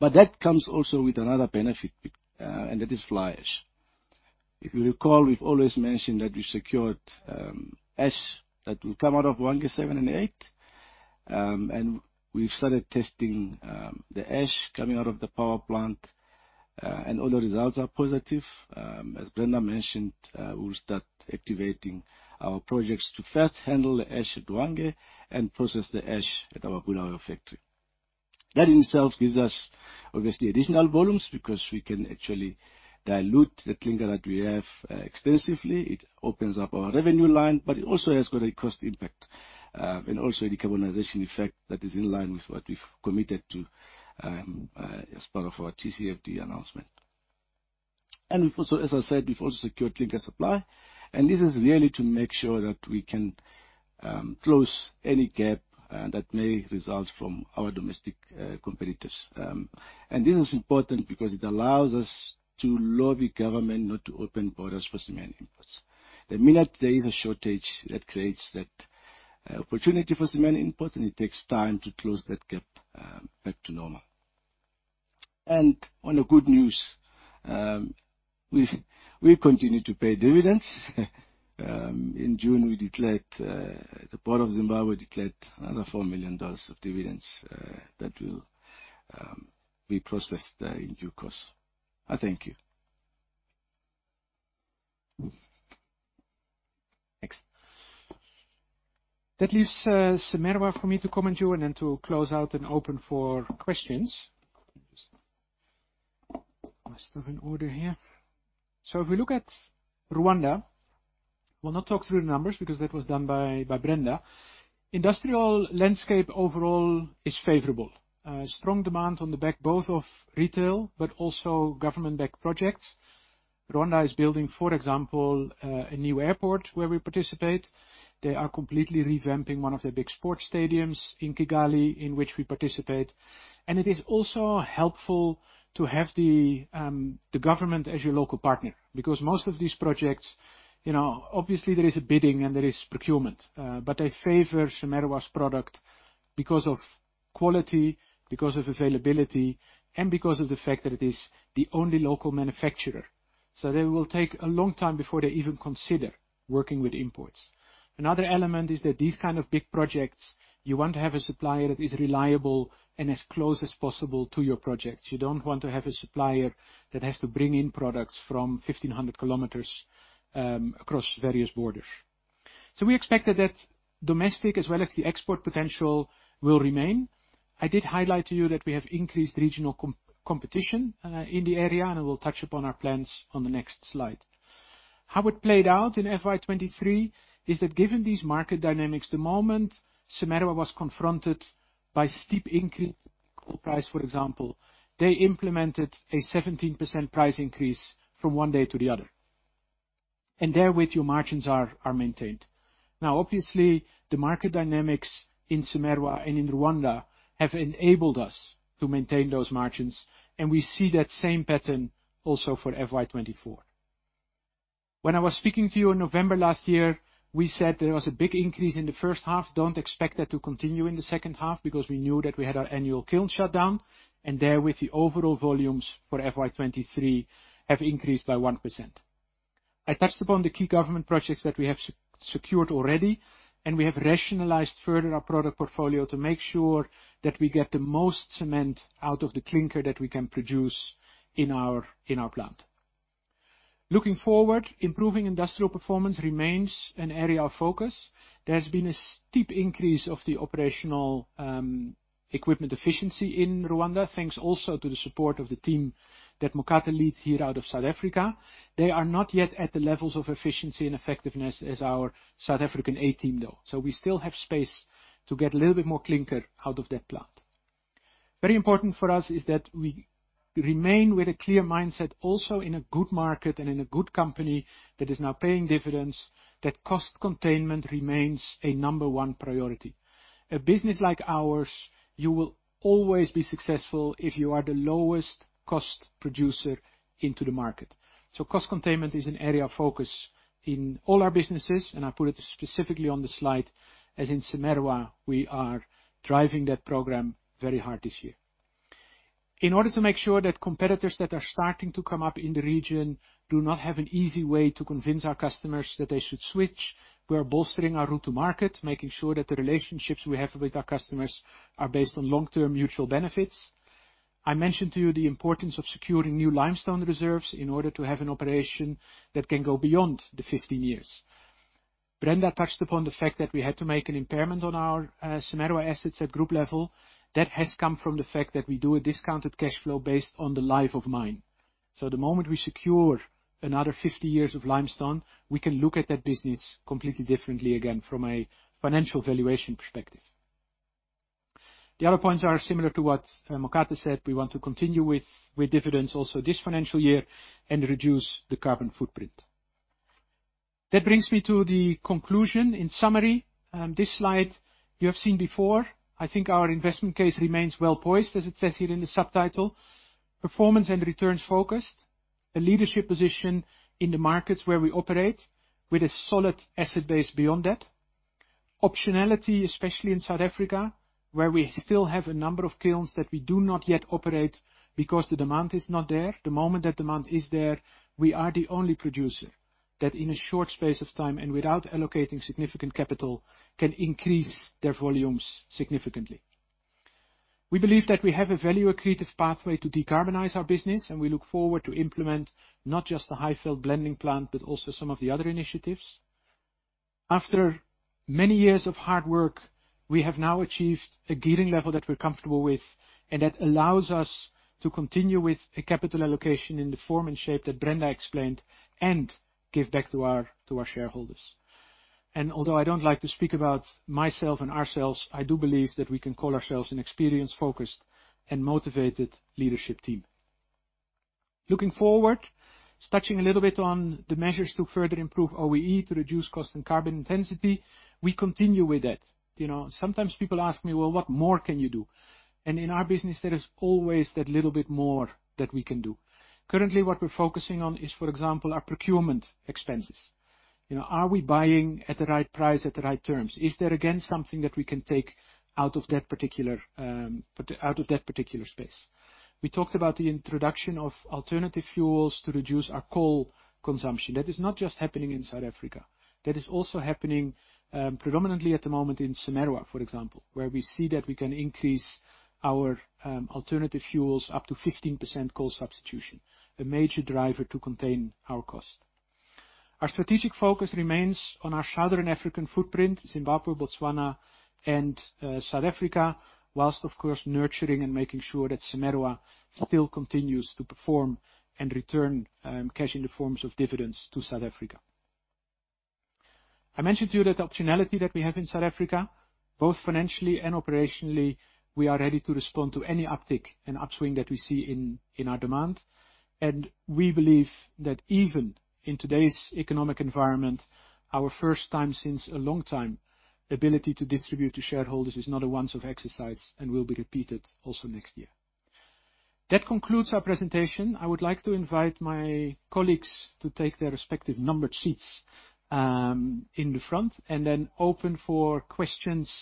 S4: That comes also with another benefit, and that is fly ash. If you recall, we've always mentioned that we secured ash that will come out of Hwange seven and eight. And we've started testing the ash coming out of the power plant, and all the results are positive. As Brenda mentioned, we'll start activating our projects to first handle the ash at Hwange and process the ash at our Bulawayo factory. That in itself gives us, obviously, additional volumes, because we can actually dilute the clinker that we have extensively. It opens up our revenue line, but it also has got a cost impact, and also a decarbonization effect that is in line with what we've committed to, as part of our TCFD announcement. We've also, as I said, we've also secured clinker supply, and this is really to make sure that we can close any gap that may result from our domestic competitors. This is important because it allows us to lobby government not to open borders for cement imports. The minute there is a shortage, that creates that opportunity for cement imports, and it takes time to close that gap back to normal. On a good news, we continue to pay dividends. In June, we declared, the Board of Zimbabwe declared another $4 million of dividends, that will be processed in due course. I thank you.
S1: Thanks. That leaves CIMERWA for me to comment you and then to close out and open for questions. Am I still in order here? If we look at Rwanda, we'll not talk through the numbers, because that was done by Brenda. Industrial landscape overall is favorable. Strong demand on the back, both of retail, but also government-backed projects. Rwanda is building, for example, a new airport where we participate. They are completely revamping one of their big sports stadiums in Kigali, in which we participate. It is also helpful to have the government as your local partner, because most of these projects, you know, obviously there is a bidding and there is procurement, but they favor CIMERWA's product because of quality, because of availability, and because of the fact that it is the only local manufacturer. They will take a long time before they even consider working with imports. Another element is that these kind of big projects, you want to have a supplier that is reliable and as close as possible to your project. You don't want to have a supplier that has to bring in products from 1,500 km across various borders. We expect that domestic, as well as the export potential, will remain. I did highlight to you that we have increased regional competition in the area, and I will touch upon our plans on the next slide. How it played out in FY 2023, is that given these market dynamics, the moment CIMERWA was confronted by steep increase in coal price, for example, they implemented a 17% price increase from one day to the other. Therewith, your margins are maintained. Obviously, the market dynamics in CIMERWA and in Rwanda have enabled us to maintain those margins, and we see that same pattern also for FY 2024. When I was speaking to you in November last year, we said there was a big increase in the first half. Don't expect that to continue in the second half, because we knew that we had our annual kiln shutdown, and therewith, the overall volumes for FY 2023 have increased by 1%. I touched upon the key government projects that we have secured already, and we have rationalized further our product portfolio to make sure that we get the most cement out of the clinker that we can produce in our plant. Looking forward, improving industrial performance remains an area of focus. There has been a steep increase of the operational equipment efficiency in Rwanda. Thanks also to the support of the team that Mokate leads here out of South Africa. They are not yet at the levels of efficiency and effectiveness as our South African A team, though. We still have space to get a little bit more clinker out of that plant. Very important for us is that we remain with a clear mindset, also in a good market and in a good company that is now paying dividends, that cost containment remains a number one priority. A business like ours, you will always be successful if you are the lowest cost producer into the market. Cost containment is an area of focus in all our businesses, and I put it specifically on the slide, as in CIMERWA, we are driving that program very hard this year. In order to make sure that competitors that are starting to come up in the region do not have an easy way to convince our customers that they should switch, we are bolstering our route to market, making sure that the relationships we have with our customers are based on long-term mutual benefits. I mentioned to you the importance of securing new limestone reserves in order to have an operation that can go beyond the 15 years. Brenda touched upon the fact that we had to make an impairment on our CIMERWA assets at group level. That has come from the fact that we do a discounted cash flow based on the life of mine. The moment we secure another 50 years of limestone, we can look at that business completely differently again, from a financial valuation perspective. The other points are similar to what Mokate said. We want to continue with dividends also this financial year and reduce the carbon footprint. That brings me to the conclusion. In summary, this slide you have seen before, I think our investment case remains well poised, as it says here in the subtitle. Performance and returns focused, a leadership position in the markets where we operate, with a solid asset base beyond that. Optionality, especially in South Africa, where we still have a number of kilns that we do not yet operate because the demand is not there. The moment that demand is there, we are the only producer that, in a short space of time and without allocating significant capital, can increase their volumes significantly. We believe that we have a value-accretive pathway to decarbonize our business, and we look forward to implement not just the Highveld blending plant, but also some of the other initiatives. After many years of hard work, we have now achieved a gearing level that we're comfortable with, and that allows us to continue with a capital allocation in the form and shape that Brenda explained, and give back to our, to our shareholders. Although I don't like to speak about myself and ourselves, I do believe that we can call ourselves an experienced, focused, and motivated leadership team. Looking forward, touching a little bit on the measures to further improve OEE, to reduce cost and carbon intensity, we continue with that. You know, sometimes people ask me: "Well, what more can you do?" In our business, there is always that little bit more that we can do. Currently, what we're focusing on is, for example, our procurement expenses. You know, are we buying at the right price, at the right terms? Is there again, something that we can take out of that particular, out of that particular space? We talked about the introduction of alternative fuels to reduce our coal consumption. That is not just happening in South Africa. That is also happening, predominantly at the moment in CIMERWA, for example, where we see that we can increase our alternative fuels up to 15% coal substitution, a major driver to contain our cost. Our strategic focus remains on our Southern African footprint, Zimbabwe, Botswana, and South Africa, whilst of course, nurturing and making sure that CIMERWA still continues to perform and return cash in the forms of dividends to South Africa. I mentioned to you that the optionality that we have in South Africa, both financially and operationally, we are ready to respond to any uptick and upswing that we see in our demand. We believe that even in today's economic environment, our first time since a long time, ability to distribute to shareholders is not a once-off exercise and will be repeated also next year. That concludes our presentation. I would like to invite my colleagues to take their respective numbered seats, in the front, and then open for questions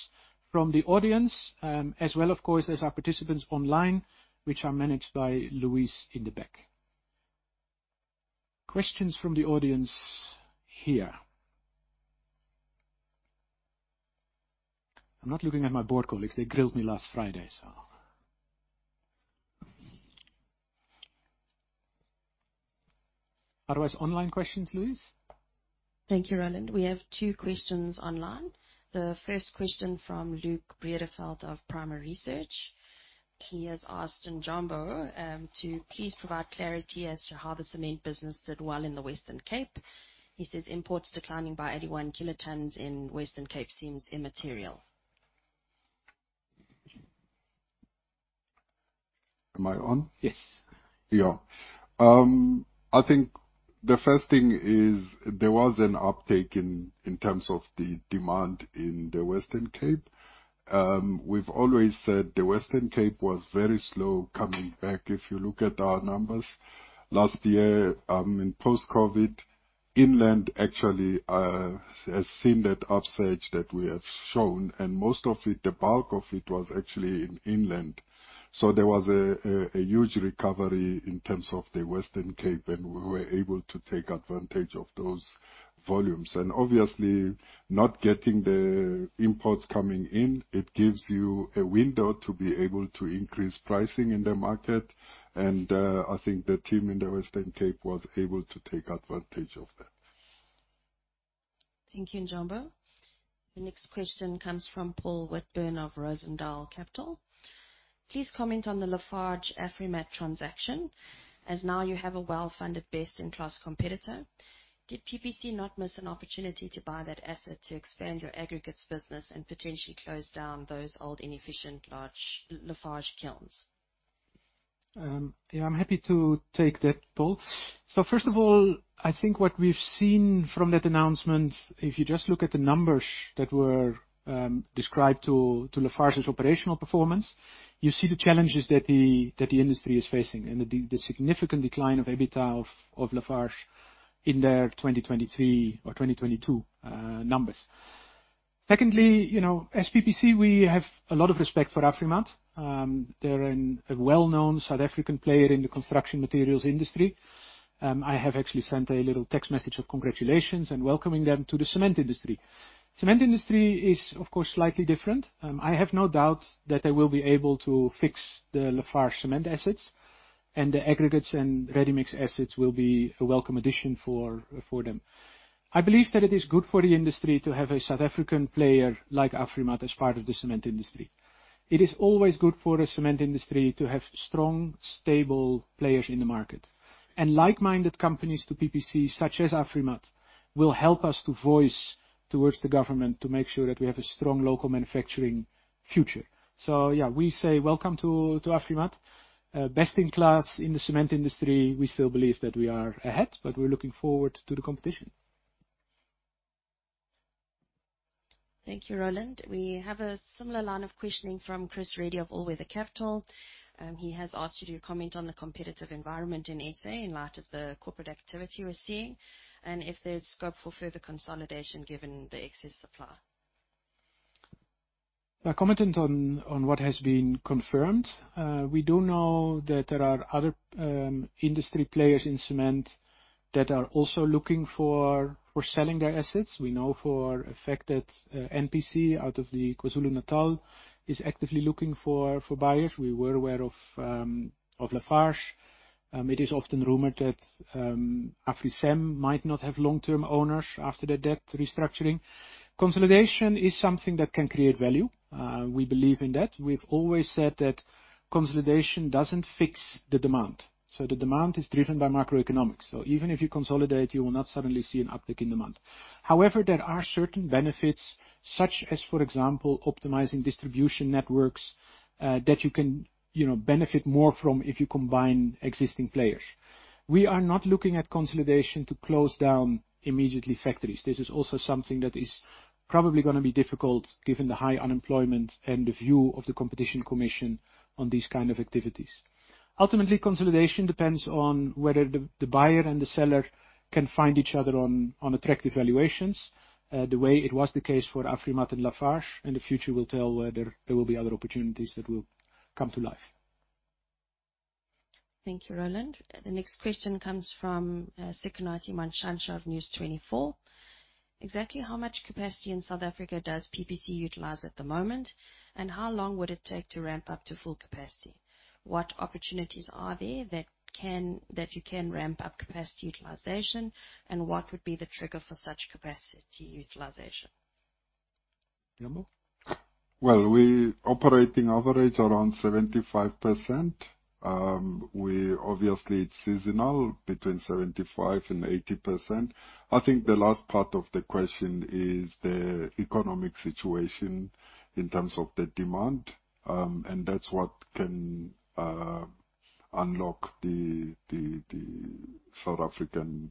S1: from the audience, as well, of course, as our participants online, which are managed by Luis in the back. Questions from the audience here. I'm not looking at my board colleagues. They grilled me last Friday, so. Otherwise, online questions, Luis?
S5: Thank you, Roland. We have two questions online. The first question from Luke Bredeveldt of Primaresearch. He has asked Njombo to please provide clarity as to how the cement business did well in the Western Cape. He says imports declining by 81 kilotons in Western Cape seems immaterial.
S3: Am I on?
S1: Yes.
S3: I think the first thing is there was an uptake in terms of the demand in the Western Cape. We've always said the Western Cape was very slow coming back. If you look at our numbers, last year, in post-COVID, inland actually, has seen that upsurge that we have shown, and most of it, the bulk of it, was actually in inland. There was a huge recovery in terms of the Western Cape, and we were able to take advantage of those volumes. Obviously, not getting the imports coming in, it gives you a window to be able to increase pricing in the market, and I think the team in the Western Cape was able to take advantage of that.
S5: Thank you, Njombo. The next question comes from Paul Whitburn of Rozendal Capital. Please comment on the Lafarge Afrimat transaction, as now you have a well-funded, best-in-class competitor. Did PPC not miss an opportunity to buy that asset to expand your aggregates business and potentially close down those old, inefficient, large Lafarge kilns?
S1: Yeah, I'm happy to take that, Paul. First of all, I think what we've seen from that announcement, if you just look at the numbers that were described to Lafarge's operational performance, you see the challenges that the industry is facing and the significant decline of EBITDA of Lafarge in their 2023 or 2022 numbers. Secondly, you know, as PPC, we have a lot of respect for Afrimat. They're a well-known South African player in the construction materials industry. I have actually sent a little text message of congratulations and welcoming them to the cement industry. Cement industry is, of course, slightly different. I have no doubt that they will be able to fix the Lafarge cement assets, and the aggregates and ready-mix assets will be a welcome addition for them. I believe that it is good for the industry to have a South African player like Afrimat as part of the cement industry. It is always good for the cement industry to have strong, stable players in the market, and like-minded companies to PPC, such as Afrimat, will help us to voice towards the government to make sure that we have a strong local manufacturing future. Yeah, we say welcome to Afrimat. Best in class in the cement industry, we still believe that we are ahead, we're looking forward to the competition.
S5: Thank you, Roland. We have a similar line of questioning from Chris Reddy of Allweather Capital. He has asked you to comment on the competitive environment in SA in light of the corporate activity we're seeing, and if there's scope for further consolidation, given the excess supply.
S1: I commented on what has been confirmed. We do know that there are other industry players in cement that are also looking for selling their assets. We know for a fact that NPC out of the KwaZulu-Natal is actively looking for buyers. We were aware of Lafarge. It is often rumored that AfriSam might not have long-term owners after their debt restructuring. Consolidation is something that can create value. We believe in that. We've always said that consolidation doesn't fix the demand. The demand is driven by macroeconomics. Even if you consolidate, you will not suddenly see an uptick in demand. However, there are certain benefits, such as, for example, optimizing distribution networks, that you can, you know, benefit more from if you combine existing players. We are not looking at consolidation to close down immediately factories. This is also something that is probably gonna be difficult, given the high unemployment and the view of the Competition Commission on these kind of activities. Ultimately, consolidation depends on whether the buyer and the seller can find each other on attractive valuations, the way it was the case for Afrimat and Lafarge. The future will tell whether there will be other opportunities that will come to life.
S5: Thank you, Roland. The next question comes from Sikonathi Mantshantsha of News24. Exactly how much capacity in South Africa does PPC utilize at the moment? How long would it take to ramp up to full capacity? What opportunities are there that you can ramp up capacity utilization, and what would be the trigger for such capacity utilization?
S1: Njombo?
S3: We operating average around 75%. We obviously, it's seasonal, between 75% and 80%. I think the last part of the question is the economic situation in terms of the demand, that's what can unlock the South African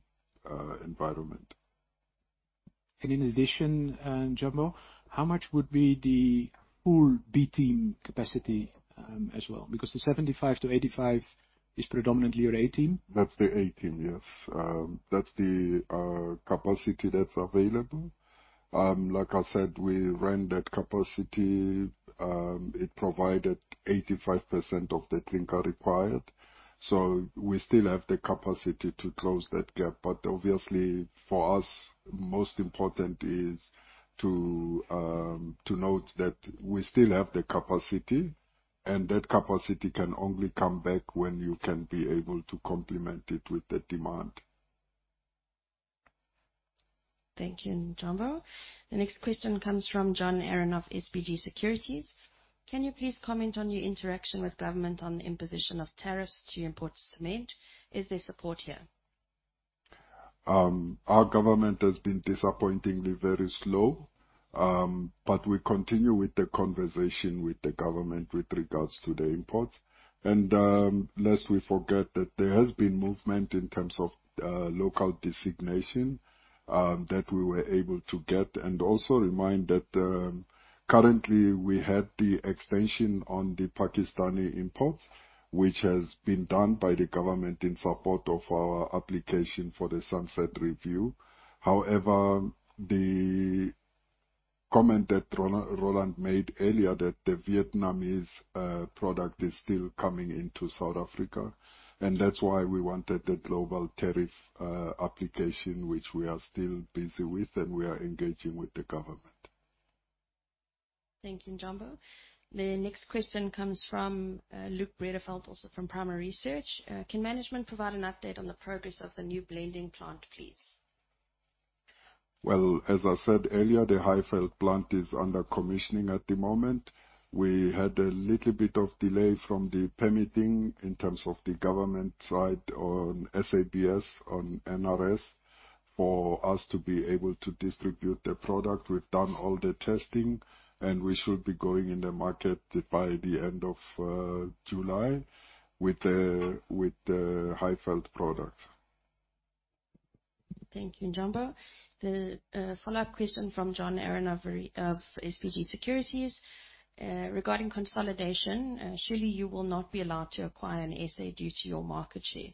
S3: environment.
S1: In addition, Njombo, how much would be the full B team capacity as well? Because the 75% to 85% is predominantly your A team.
S3: That's the A team, yes. That's the capacity that's available. Like I said, we ran that capacity, it provided 85% of the clinker required, so we still have the capacity to close that gap. Obviously, for us, most important is to note that we still have the capacity, and that capacity can only come back when you can be able to complement it with the demand.
S5: Thank you, Njombo. The next question comes from John Aron of SBG Securities. Can you please comment on your interaction with government on the imposition of tariffs to import cement? Is there support here?
S3: Our government has been disappointingly very slow, we continue with the conversation with the government with regards to the imports. Lest we forget that there has been movement in terms of local designation that we were able to get. Also remind that currently, we had the extension on the Pakistani imports, which has been done by the government in support of our application for the sunset review. However, the comment that Roland made earlier, that the Vietnamese product is still coming into South Africa, and that's why we wanted a global tariff application, which we are still busy with, and we are engaging with the government.
S5: Thank you, Njombo. The next question comes from, Luke Bredefeld, also from Primary Research. Can management provide an update on the progress of the new blending plant, please?
S3: Well, as I said earlier, the Highveld plant is under commissioning at the moment. We had a little bit of delay from the permitting in terms of the government side on SABS, on NRS, for us to be able to distribute the product. We've done all the testing, we should be going in the market by the end of July with the Highveld product.
S5: Thank you, Njombo. The follow-up question from John Arron of SBG Securities. Regarding consolidation, surely you will not be allowed to acquire an SA due to your market share.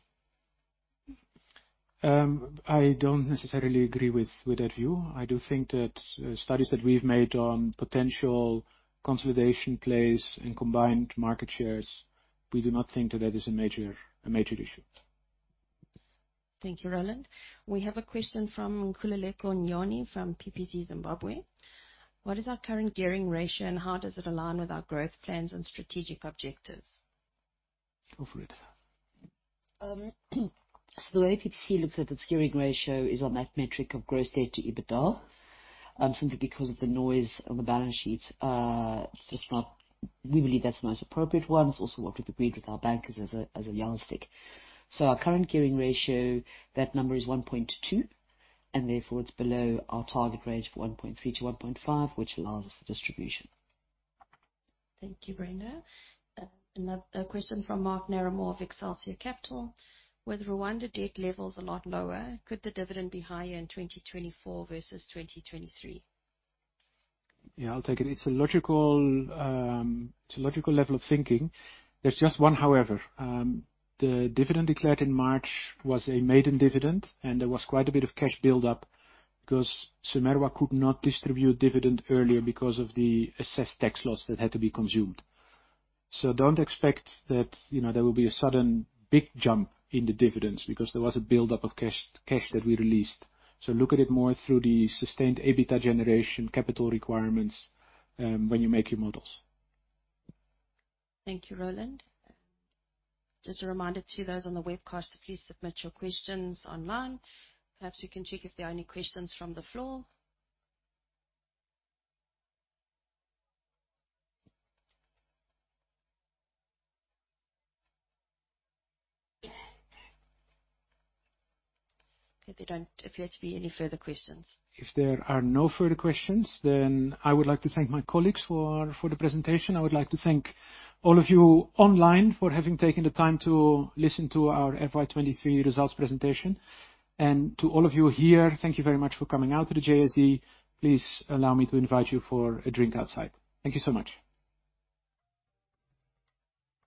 S1: I don't necessarily agree with that view. I do think that studies that we've made on potential consolidation plays and combined market shares, we do not think that that is a major issue.
S5: Thank you, Roland. We have a question from Khuleleko Nyoni from PPC Zimbabwe. What is our current gearing ratio, and how does it align with our growth plans and strategic objectives?
S1: Go for it.
S2: The way PPC looks at its gearing ratio is on that metric of gross debt to EBITDA simply because of the noise on the balance sheet. We believe that's the most appropriate one. It's also what we've agreed with our bankers as a yardstick. Our current gearing ratio, that number is 1.2%, and therefore it's below our target range of 1.3%-1.5%, which allows us the distribution.
S5: Thank you, Brenda. A question from Mark Narramore of Excelsior Capital: With Rwanda debt levels a lot lower, could the dividend be higher in 2024 versus 2023?
S1: Yeah, I'll take it. It's a logical, it's a logical level of thinking. There's just one however. The dividend declared in March was a maiden dividend, and there was quite a bit of cash buildup because CIMERWA could not distribute dividend earlier because of the assessed tax loss that had to be consumed. Don't expect that, you know, there will be a sudden big jump in the dividends because there was a buildup of cash that we released. Look at it more through the sustained EBITDA generation capital requirements when you make your models.
S5: Thank you, Roland. Just a reminder to you those on the webcast to please submit your questions online. Perhaps we can check if there are any questions from the floor. Okay. There don't appear to be any further questions.
S1: If there are no further questions, I would like to thank my colleagues for the presentation. I would like to thank all of you online for having taken the time to listen to our FY 2023 results presentation. To all of you here, thank you very much for coming out to the JSE. Please allow me to invite you for a drink outside. Thank you so much.